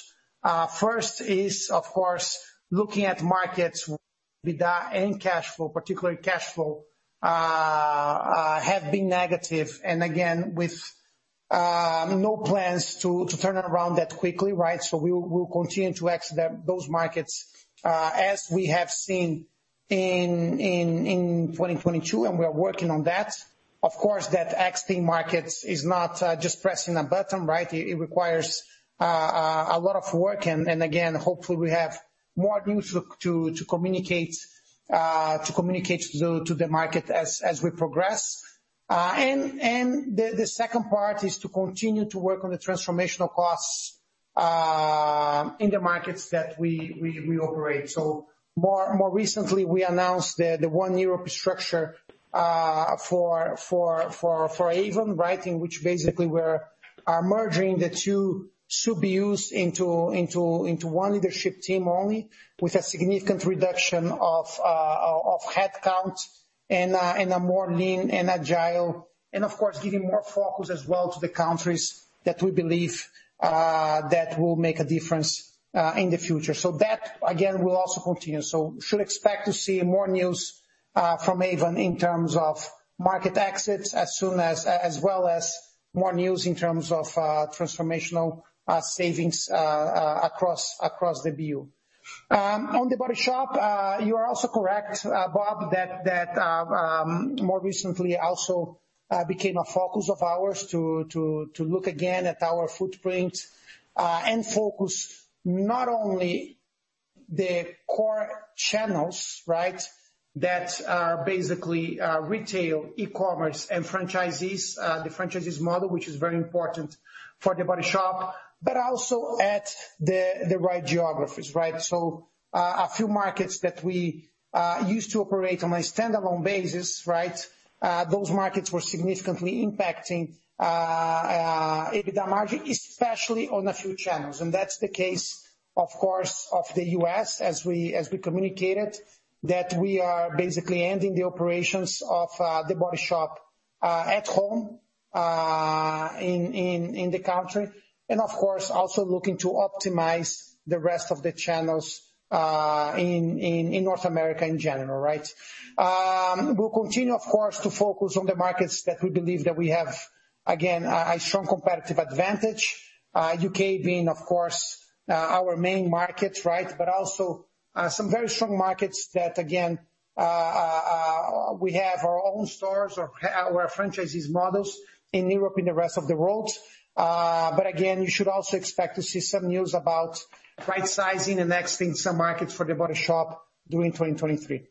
C: First is, of course, looking at markets with the end cashflow, particularly cashflow, have been negative. Again, with no plans to turn around that quickly, right? We'll continue to exit them, those markets, as we have seen in 2022, and we are working on that. Of course, that exiting markets is not just pressing a button, right? It requires a lot of work, and again, hopefully we have more good news to communicate to the market as we progress. The second part is to continue to work on the transformational costs in the markets that we operate. More recently, we announced the One Europe structure for Avon, right? In which basically we're merging the two SBUs into one leadership team only, with a significant reduction of headcounts and a more lean and agile. Of course, giving more focus as well to the countries that we believe that will make a difference in the future. That, again, will also continue. Should expect to see more news from Avon in terms of market exits as soon as well as more news in terms of transformational savings across the BU. On The Body Shop, you are also correct, Bob, that more recently also became a focus of ours to look again at our footprint and focus not only the core channels, right? That are basically retail, e-commerce and franchisees, the franchisees model, which is very important for The Body Shop, but also at the right geographies, right. A few markets that we used to operate on a standalone basis, right. Those markets were significantly impacting EBITDA margin, especially on a few channels. That's the case, of course, of the U.S., as we communicated, that we are basically ending the operations of The Body Shop At Home in the country. Of course, also looking to optimize the rest of the channels in North America in general, right. We'll continue, of course, to focus on the markets that we believe that we have, again, a strong competitive advantage, U.K. being, of course, our main market, right. Also, some very strong markets that again, we have our own stores or our franchisees models in Europe and the rest of the world. Again, you should also expect to see some news about right-sizing and exiting some markets for The Body Shop during 2023.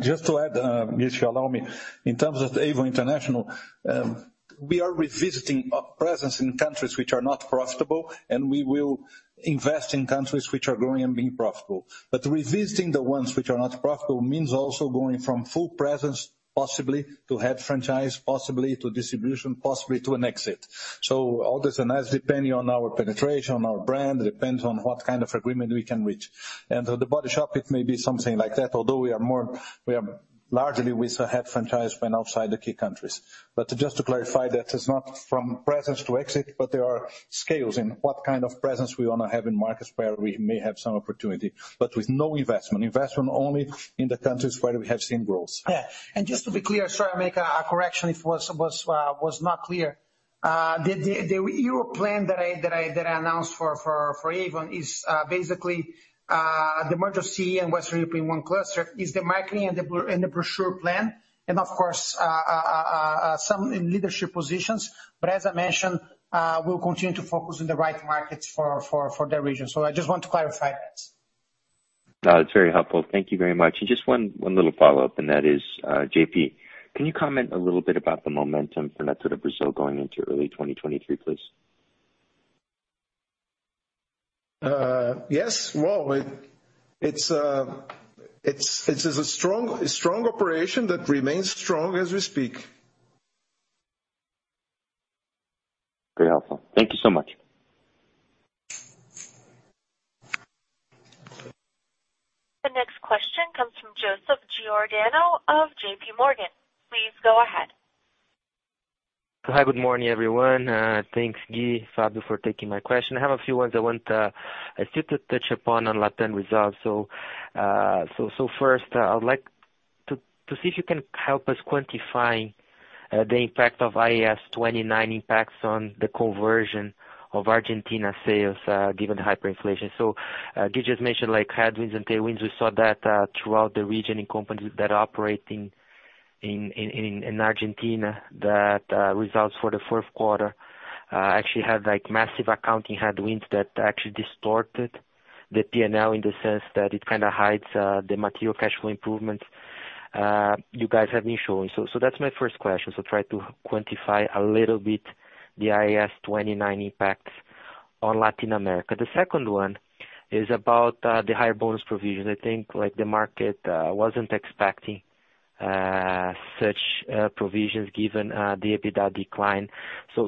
B: Just to add, if you allow me. In terms of Avon International, we are revisiting our presence in countries which are not profitable, and we will invest in countries which are growing and being profitable. Revisiting the ones which are not profitable means also going from full presence, possibly to head franchise, possibly to distribution, possibly to an exit. All this, and that's depending on our penetration, our brand, depends on what kind of agreement we can reach. The Body Shop, it may be something like that, although we are largely with a head franchise when outside the key countries. Just to clarify, that is not from presence to exit, but there are scales in what kind of presence we wanna have in markets where we may have some opportunity. With no investment only in the countries where we have seen growth.
C: Just to be clear, sorry, I make a correction if was not clear. The Europe plan that I announced for Avon is basically the merger of CE and Western Europe in one cluster is the marketing and the brochure plan, and of course, some in leadership positions. As I mentioned, we'll continue to focus on the right markets for the region. I just want to clarify that.
H: No, that's very helpful. Thank you very much. Just one little follow-up, and that is, JP, can you comment a little bit about the momentum for Natura Brazil going into early 2023, please?
D: Yes. Well, it's a strong operation that remains strong as we speak.
H: Very helpful. Thank you so much.
A: The next question comes from Joseph Giordano of JP Morgan. Please go ahead.
I: Hi, good morning, everyone. Thanks, Gui, Fábio, for taking my question. I have a few ones I want to touch upon on LatAm results. First, I would like to see if you can help us quantify the impact of IAS 29 impacts on the conversion of Argentina sales, given the hyperinflation. You just mentioned, like, headwinds and tailwinds, we saw that throughout the region in companies that are operating in Argentina that results for the fourth quarter actually had like massive accounting headwinds that actually distorted the P&L in the sense that it kind of hides the material cash flow improvements you guys have been showing. That's my first question. Try to quantify a little bit the IAS 29 impact on Latin America. The second one is about the higher bonus provision. I think like the market wasn't expecting such provisions given the EBITDA decline.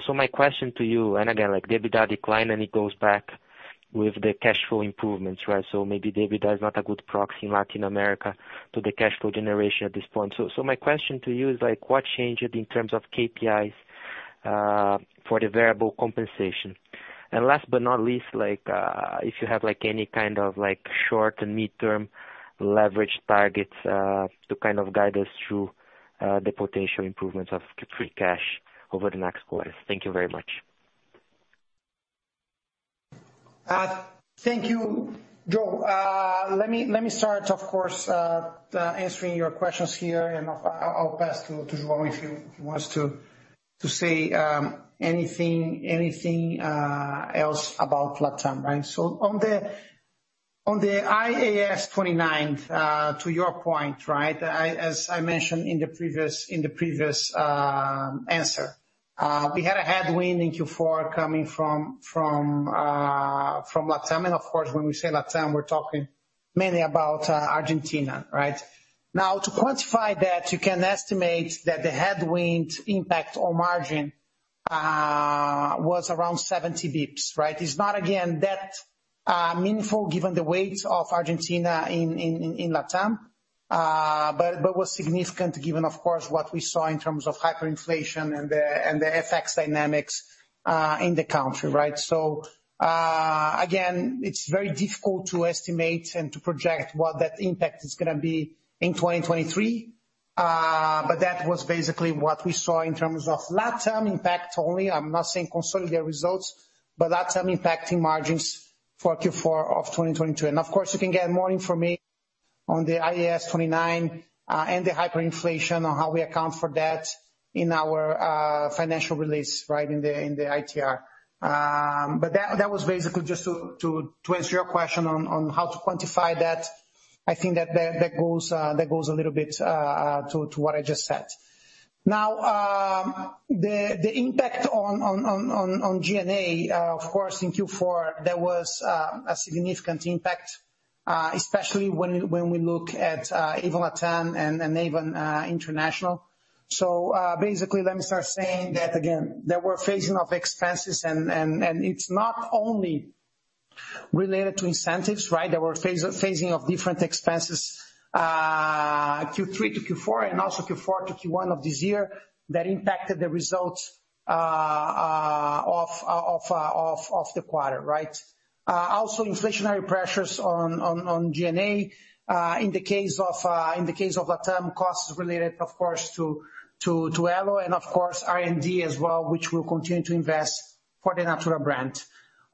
I: My question to you and again, like the EBITDA decline, and it goes back with the cash flow improvements, right? Maybe EBITDA is not a good proxy in Latin America to the cash flow generation at this point. My question to you is like what changed in terms of KPIs for the variable compensation? Last but not least, like, if you have like any kind of like short and midterm leverage targets to kind of guide us through the potential improvements of free cash over the next quarters. Thank you very much.
C: Thank you, Joe. Let me start of course, answering your questions here, and I'll pass to João if he wants to say anything else about LatAm, right? On the IAS 29, to your point, right, as I mentioned in the previous answer, we had a headwind in Q4 coming from LatAm. Of course, when we say LatAm we're talking mainly about Argentina, right? Now, to quantify that, you can estimate that the headwind impact on margin was around 70 basis points, right? It's not again that meaningful given the weight of Argentina in LatAm. Was significant given, of course, what we saw in terms of hyperinflation and the FX dynamics in the country, right? Again, it's very difficult to estimate and to project what that impact is gonna be in 2023. That was basically what we saw in terms of LatAm impact only. I'm not saying consolidated results, but LatAm impacting margins for Q4 of 2022. Of course you can get more information on the IAS 29 and the hyperinflation on how we account for that in our financial release right in the ITR. That was basically just to answer your question on how to quantify that. I think that goes a little bit to what I just said. The impact on G&A, of course in Q4, there was a significant impact, especially when we look at even LatAm and even international. Basically, let me start saying that again, that we're phasing off expenses and it's not only related to incentives, right? That we're phasing off different expenses, Q3 to Q4 and also Q4 to Q1 of this year that impacted the results of the quarter, right? Also inflationary pressures on G&A. In the case of LatAm, costs related of course to Avon and of course R&D as well, which we'll continue to invest for the Natura brand.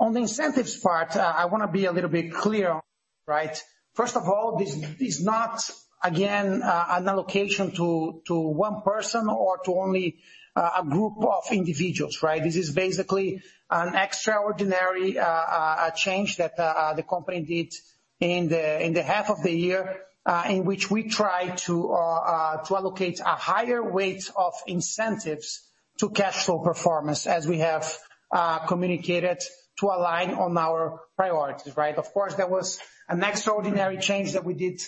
C: On the incentives part, I wanna be a little bit clear, right? First of all, this is not again, an allocation to one person or to only a group of individuals, right? This is basically an extraordinary change that the company did in the half of the year, in which we try to allocate a higher weight of incentives to cash flow performance as we have communicated to align on our priorities, right? Of course, that was an extraordinary change that we did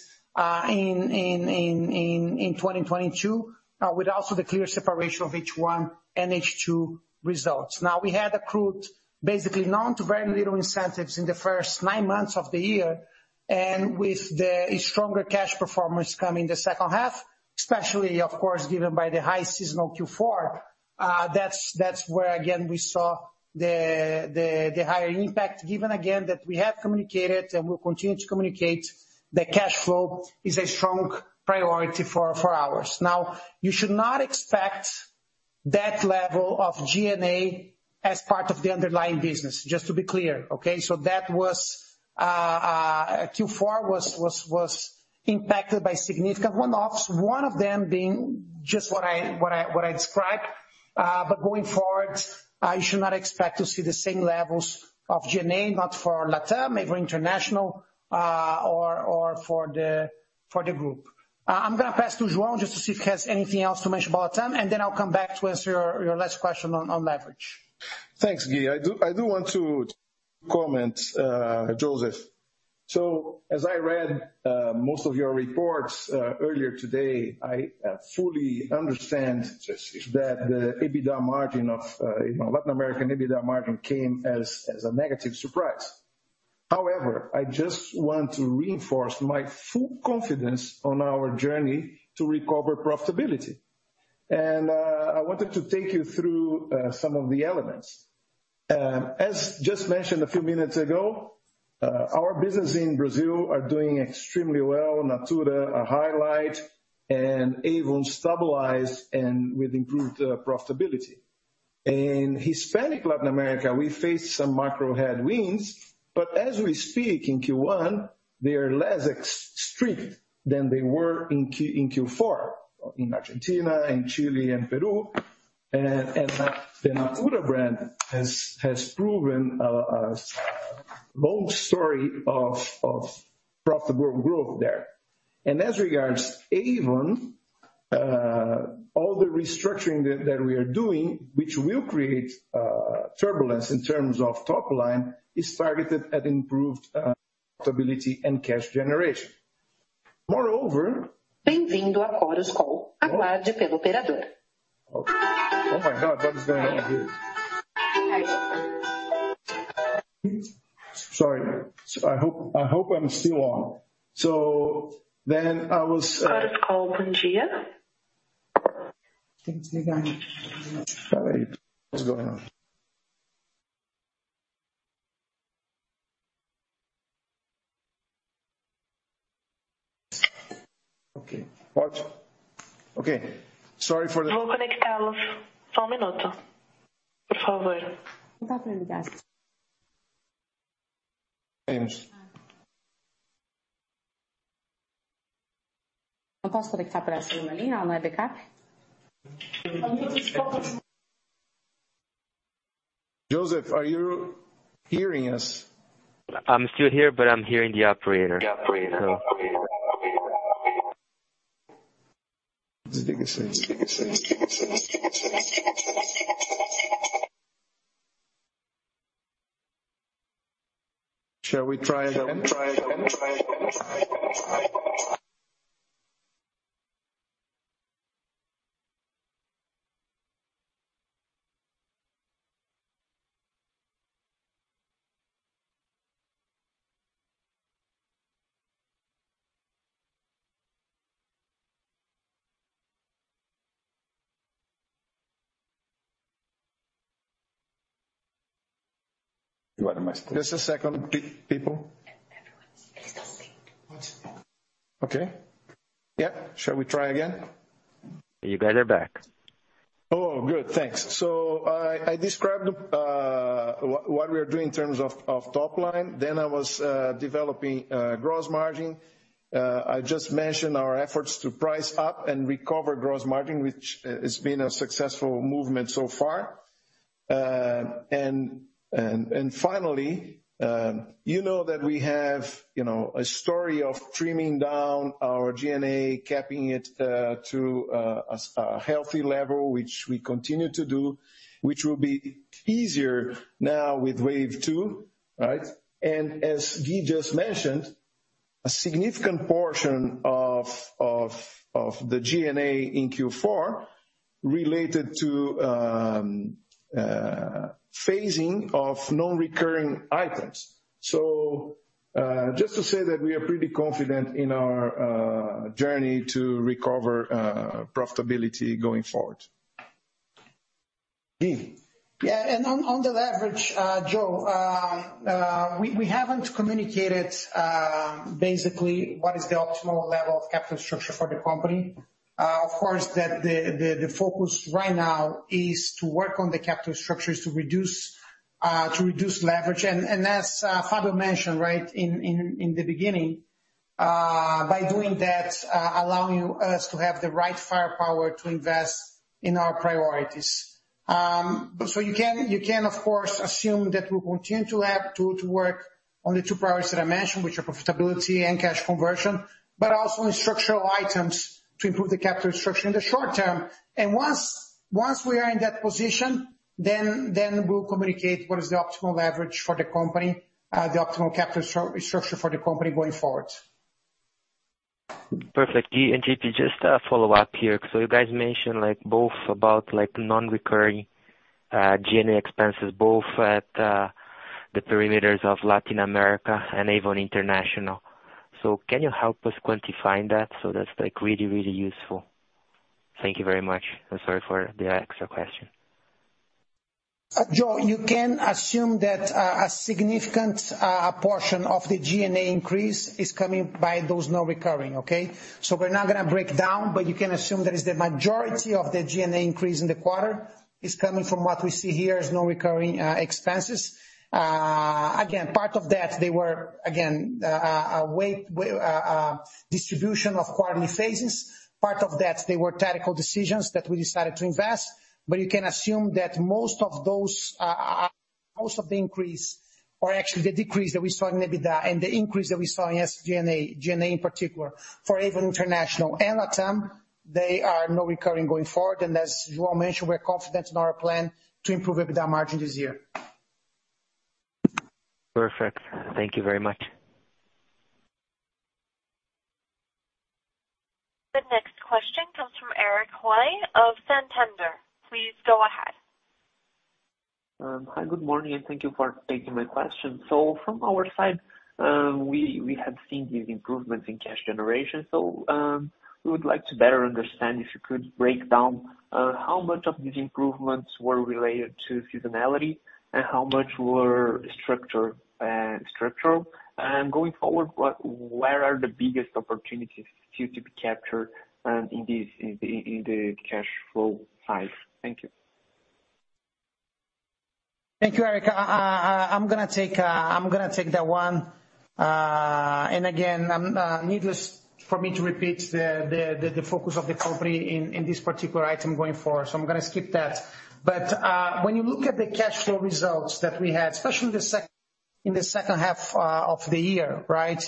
C: in 2022, with also the clear separation of H1 and H2 results. Now we had accrued basically none to very little incentives in the first 9 months of the year. With the stronger cash performance coming the second half, especially of course, given by the high seasonal Q4, that's where again, we saw the higher impact, given again that we have communicated and will continue to communicate, the cash flow is a strong priority for ours. Now, you should not expect that level of G&A as part of the underlying business, just to be clear. Okay? That was Q4 was impacted by significant one-offs, one of them being just what I described. Going forward, you should not expect to see the same levels of G&A, not for LatAm, maybe international, or for the group. I'm gonna pass to João just to see if he has anything else to mention about LatAm, and then I'll come back to answer your last question on leverage.
D: Thanks, Gui. I do want to comment, Joseph. As I read most of your reports earlier today, I fully understand that the EBITDA margin of, you know, Latin American EBITDA margin came as a negative surprise. However, I just want to reinforce my full confidence on our journey to recover profitability. I wanted to take you through some of the elements. As just mentioned a few minutes ago, our business in Brazil are doing extremely well. Natura, a highlight and Avon stabilized and with improved profitability. In Hispanic Latin America, we faced some macro headwinds, but as we speak, in Q1, they are less ex-strict than they were in Q4, in Argentina and Chile and Peru. The Natura brand has proven a long story of profitable growth there. As regards Avon, all the restructuring that we are doing, which will create turbulence in terms of top line, is targeted at improved stability and cash generation. Moreover. Oh my God, what is going on here? Sorry. I hope I'm still on. I was.
A: First call from Gia.
D: What's going on? Okay. What? Okay. Sorry Joseph, are you hearing us?
I: I'm still here, but I'm hearing the operator.
D: Shall we try again? Just a second, people. Okay. Yeah. Shall we try again?
I: You guys are back.
D: Oh, good. Thanks. I described what we are doing in terms of top line. I was developing gross margin. I just mentioned our efforts to price up and recover gross margin, which has been a successful movement so far. And finally, you know that we have, you know, a story of trimming down our G&A, capping it to a healthy level, which we continue to do, which will be easier now with Wave 2, right? As Gui just mentioned, a significant portion of the G&A in Q4 related to phasing of non-recurring items. Just to say that we are pretty confident in our journey to recover profitability going forward. Gui?
C: Yeah. On the leverage, Joe, we haven't communicated basically what is the optimal level of capital structure for the company. Of course, the focus right now is to work on the capital structures to reduce leverage. As Fabio mentioned, right, in the beginning, by doing that, allowing us to have the right firepower to invest in our priorities. You can of course assume that we'll continue to work on the two priorities that I mentioned, which are profitability and cash conversion, but also in structural items to improve the capital structure in the short term. Once we are in that position, then we'll communicate what is the optimal leverage for the company, the optimal capital structure for the company going forward.
I: Perfect. Gui and JP, just a follow-up here. You guys mentioned, like, both about, like, non-recurring G&A expenses, both at the perimeters of Latin America and Avon International. Can you help us quantifying that so that's, like, really, really useful? Thank you very much. I'm sorry for the extra question.
D: Joe, you can assume that a significant portion of the G&A increase is coming by those non-recurring, okay? We're not gonna break down, but you can assume that is the majority of the G&A increase in the quarter is coming from what we see here as non-recurring expenses. Again, part of that, they were again, a way, distribution of quarterly phases. Part of that, they were tactical decisions that we decided to invest. You can assume that most of those, most of the increase or actually the decrease that we saw in EBITDA and the increase that we saw in, yes, G&A in particular for Avon International and LatAm, they are non-recurring going forward. As João mentioned, we're confident in our plan to improve EBITDA margin this year.
I: Perfect. Thank you very much.
A: The next question comes from Eric Huang of Santander. Please go ahead.
J: Hi, good morning, thank you for taking my question. From our side, we have seen these improvements in cash generation. We would like to better understand if you could break down how much of these improvements were related to seasonality and how much were structural. Going forward, where are the biggest opportunities still to be captured in the cash flow side? Thank you.
C: Thank you, Erica. I'm gonna take that one. Again, needless for me to repeat the focus of the company in this particular item going forward, so I'm gonna skip that. When you look at the cash flow results that we had, especially in the second half of the year, right?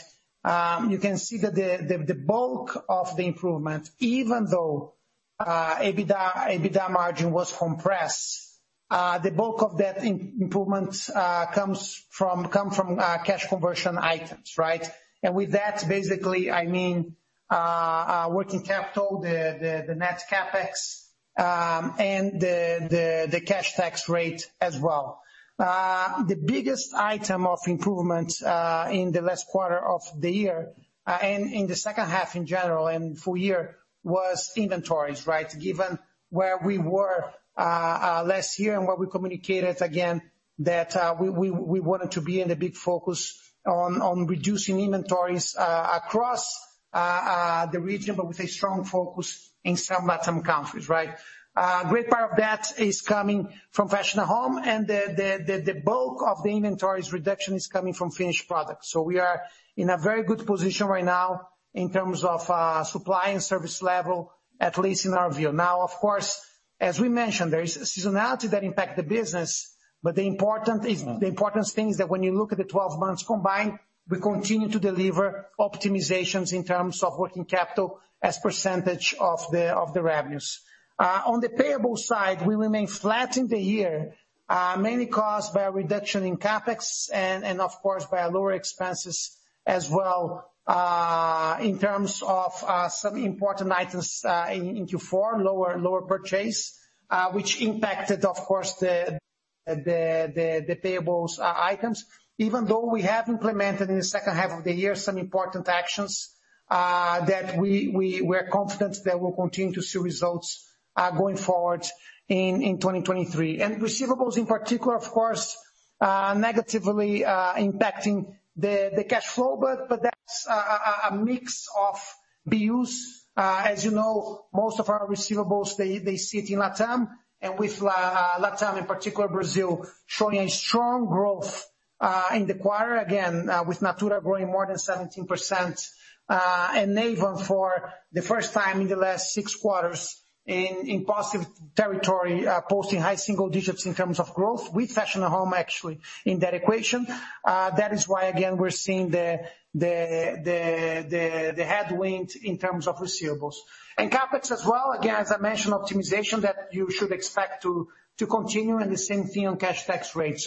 C: You can see that the bulk of the improvement, even though EBITDA margin was compressed, the bulk of that improvement comes from cash conversion items, right? With that, basically, I mean, working capital, the net CapEx, and the cash tax rate as well. The biggest item of improvement in the last quarter of the year, and in the second half in general and full year, was inventories, right? Given where we were last year and what we communicated again, that we wanted to be in the big focus on reducing inventories across the region, but with a strong focus in some LatAm countries, right? Great part of that is coming from Fashion & Home and the bulk of the inventories reduction is coming from finished products. We are in a very good position right now in terms of supply and service level, at least in our view. Of course, as we mentioned, there is seasonality that impact the business, but the important thing is that when you look at the 12 months combined, we continue to deliver optimizations in terms of working capital as percentage of the revenues. On the payable side, we remain flat in the year, mainly caused by a reduction in CapEx and of course by lower expenses as well. In terms of some important items in Q4, lower purchase which impacted of course the payables items. Even though we have implemented in the second half of the year some important actions that we're confident that we'll continue to see results going forward in 2023. Receivables in particular, of course, negatively impacting the cash flow, but that's a mix of BUs. As you know, most of our receivables, they sit in LatAm, and with LatAm, in particular Brazil, showing a strong growth in the quarter again, with Natura growing more than 17%. Avon for the first time in the last 6 quarters in positive territory, posting high single digits in terms of growth with Fashion & Home actually in that equation. That is why again, we're seeing the headwind in terms of receivables. CapEx as well, again, as I mentioned, optimization that you should expect to continue and the same thing on cash tax rate.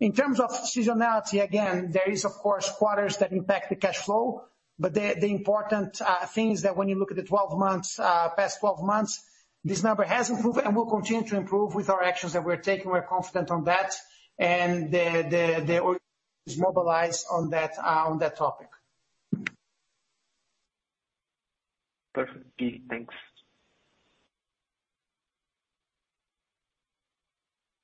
C: In terms of seasonality, again, there is of course quarters that impact the cash flow, but the important thing is that when you look at the past 12 months, this number has improved and will continue to improve with our actions that we're taking. We're confident on that. The org is mobilized on that, on that topic.
J: Perfect. Gui, thanks.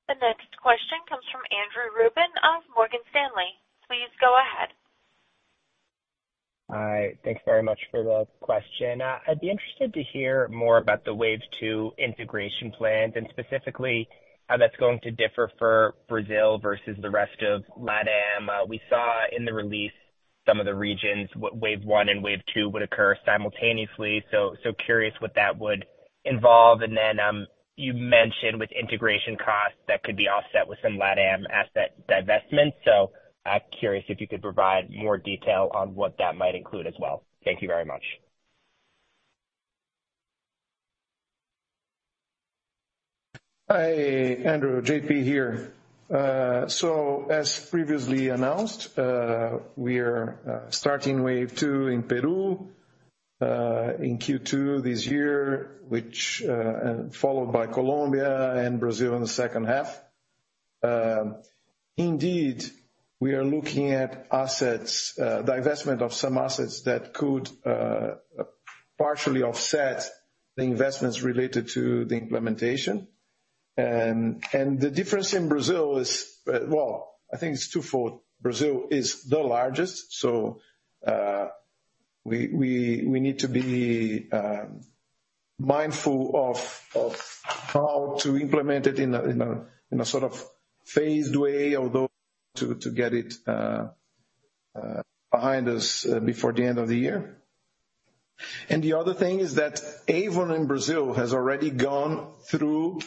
A: The next question comes from Andrew Ruben of Morgan Stanley. Please go ahead.
K: Hi. Thanks very much for the question. I'd be interested to hear more about the Wave 2 integration plans and specifically how that's going to differ for Brazil versus the rest of LatAm. We saw in the release some of the regions, Wave 1 and Wave 2 would occur simultaneously, so curious what that would involve. You mentioned with integration costs that could be offset with some LatAm asset divestment. I'm curious if you could provide more detail on what that might include as well. Thank you very much.
D: Hi, Andrew. JP here. As previously announced, we are starting Wave 2 in Peru in Q2 this year, which followed by Colombia and Brazil in the second half. Indeed, we are looking at divestment of some assets that could partially offset the investments related to the implementation. And the difference in Brazil is, well, I think it's twofold. Brazil is the largest, so we need to be mindful of how to implement it in a sort of phased way, although to get it behind us before the end of the year. And the other thing is that Avon in Brazil has already gone through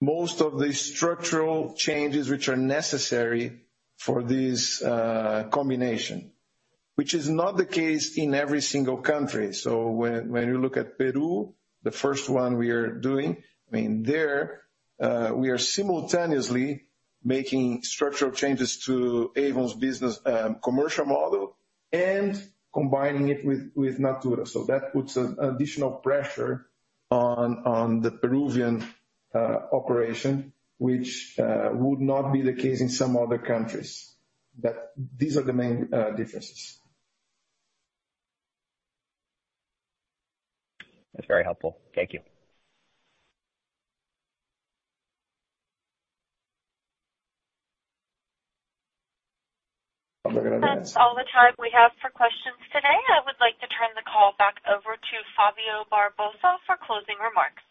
D: most of the structural changes which are necessary for this combination. Which is not the case in every single country. When you look at Peru, the first one we are doing, I mean, there, we are simultaneously making structural changes to Avon's business, commercial model and combining it with Natura. That puts additional pressure on the Peruvian operation, which would not be the case in some other countries. These are the main differences.
K: That's very helpful. Thank you.
B: I'm gonna go next.
A: That's all the time we have for questions today. I would like to turn the call back over to Fábio Barbosa for closing remarks.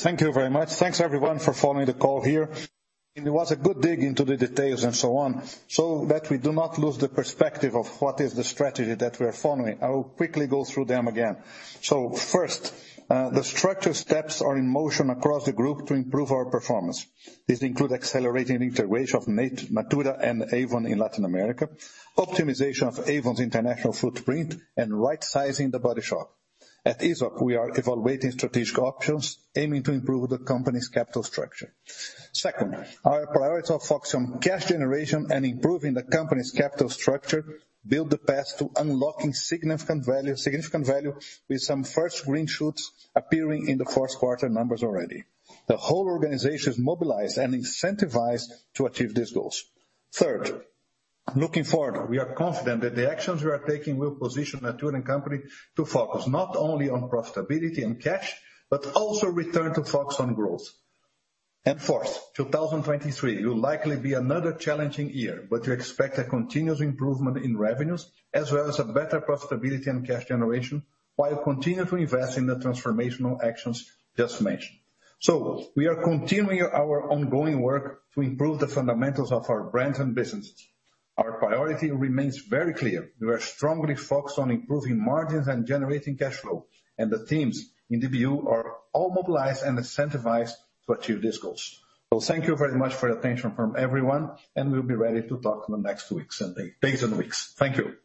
B: Thank you very much. Thanks everyone for following the call here. It was a good dig into the details and so on, so that we do not lose the perspective of what is the strategy that we are following. I will quickly go through them again. First, the structural steps are in motion across the group to improve our performance. These include accelerating integration of Natura and Avon in Latin America, optimization of Avon's international footprint, and right sizing The Body Shop. At Aesop, we are evaluating strategic options aiming to improve the company's capital structure. Second, our priority to focus on cash generation and improving the company's capital structure build the path to unlocking significant value with some first green shoots appearing in the first quarter numbers already. The whole organization is mobilized and incentivized to achieve these goals. Third, looking forward, we are confident that the actions we are taking will position Natura Cosméticos to focus not only on profitability and cash, but also return to focus on growth. Fourth, 2023 will likely be another challenging year, but we expect a continuous improvement in revenues as well as a better profitability and cash generation while continuing to invest in the transformational actions just mentioned. We are continuing our ongoing work to improve the fundamentals of our brands and businesses. Our priority remains very clear. We are strongly focused on improving margins and generating cash flow, and the teams in the view are all mobilized and incentivized to achieve these goals. Thank you very much for your attention from everyone, and we'll be ready to talk in the next weeks and days. Days and weeks. Thank you.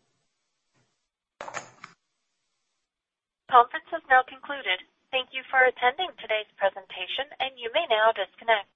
A: Conference is now concluded. Thank you for attending today's presentation. You may now disconnect.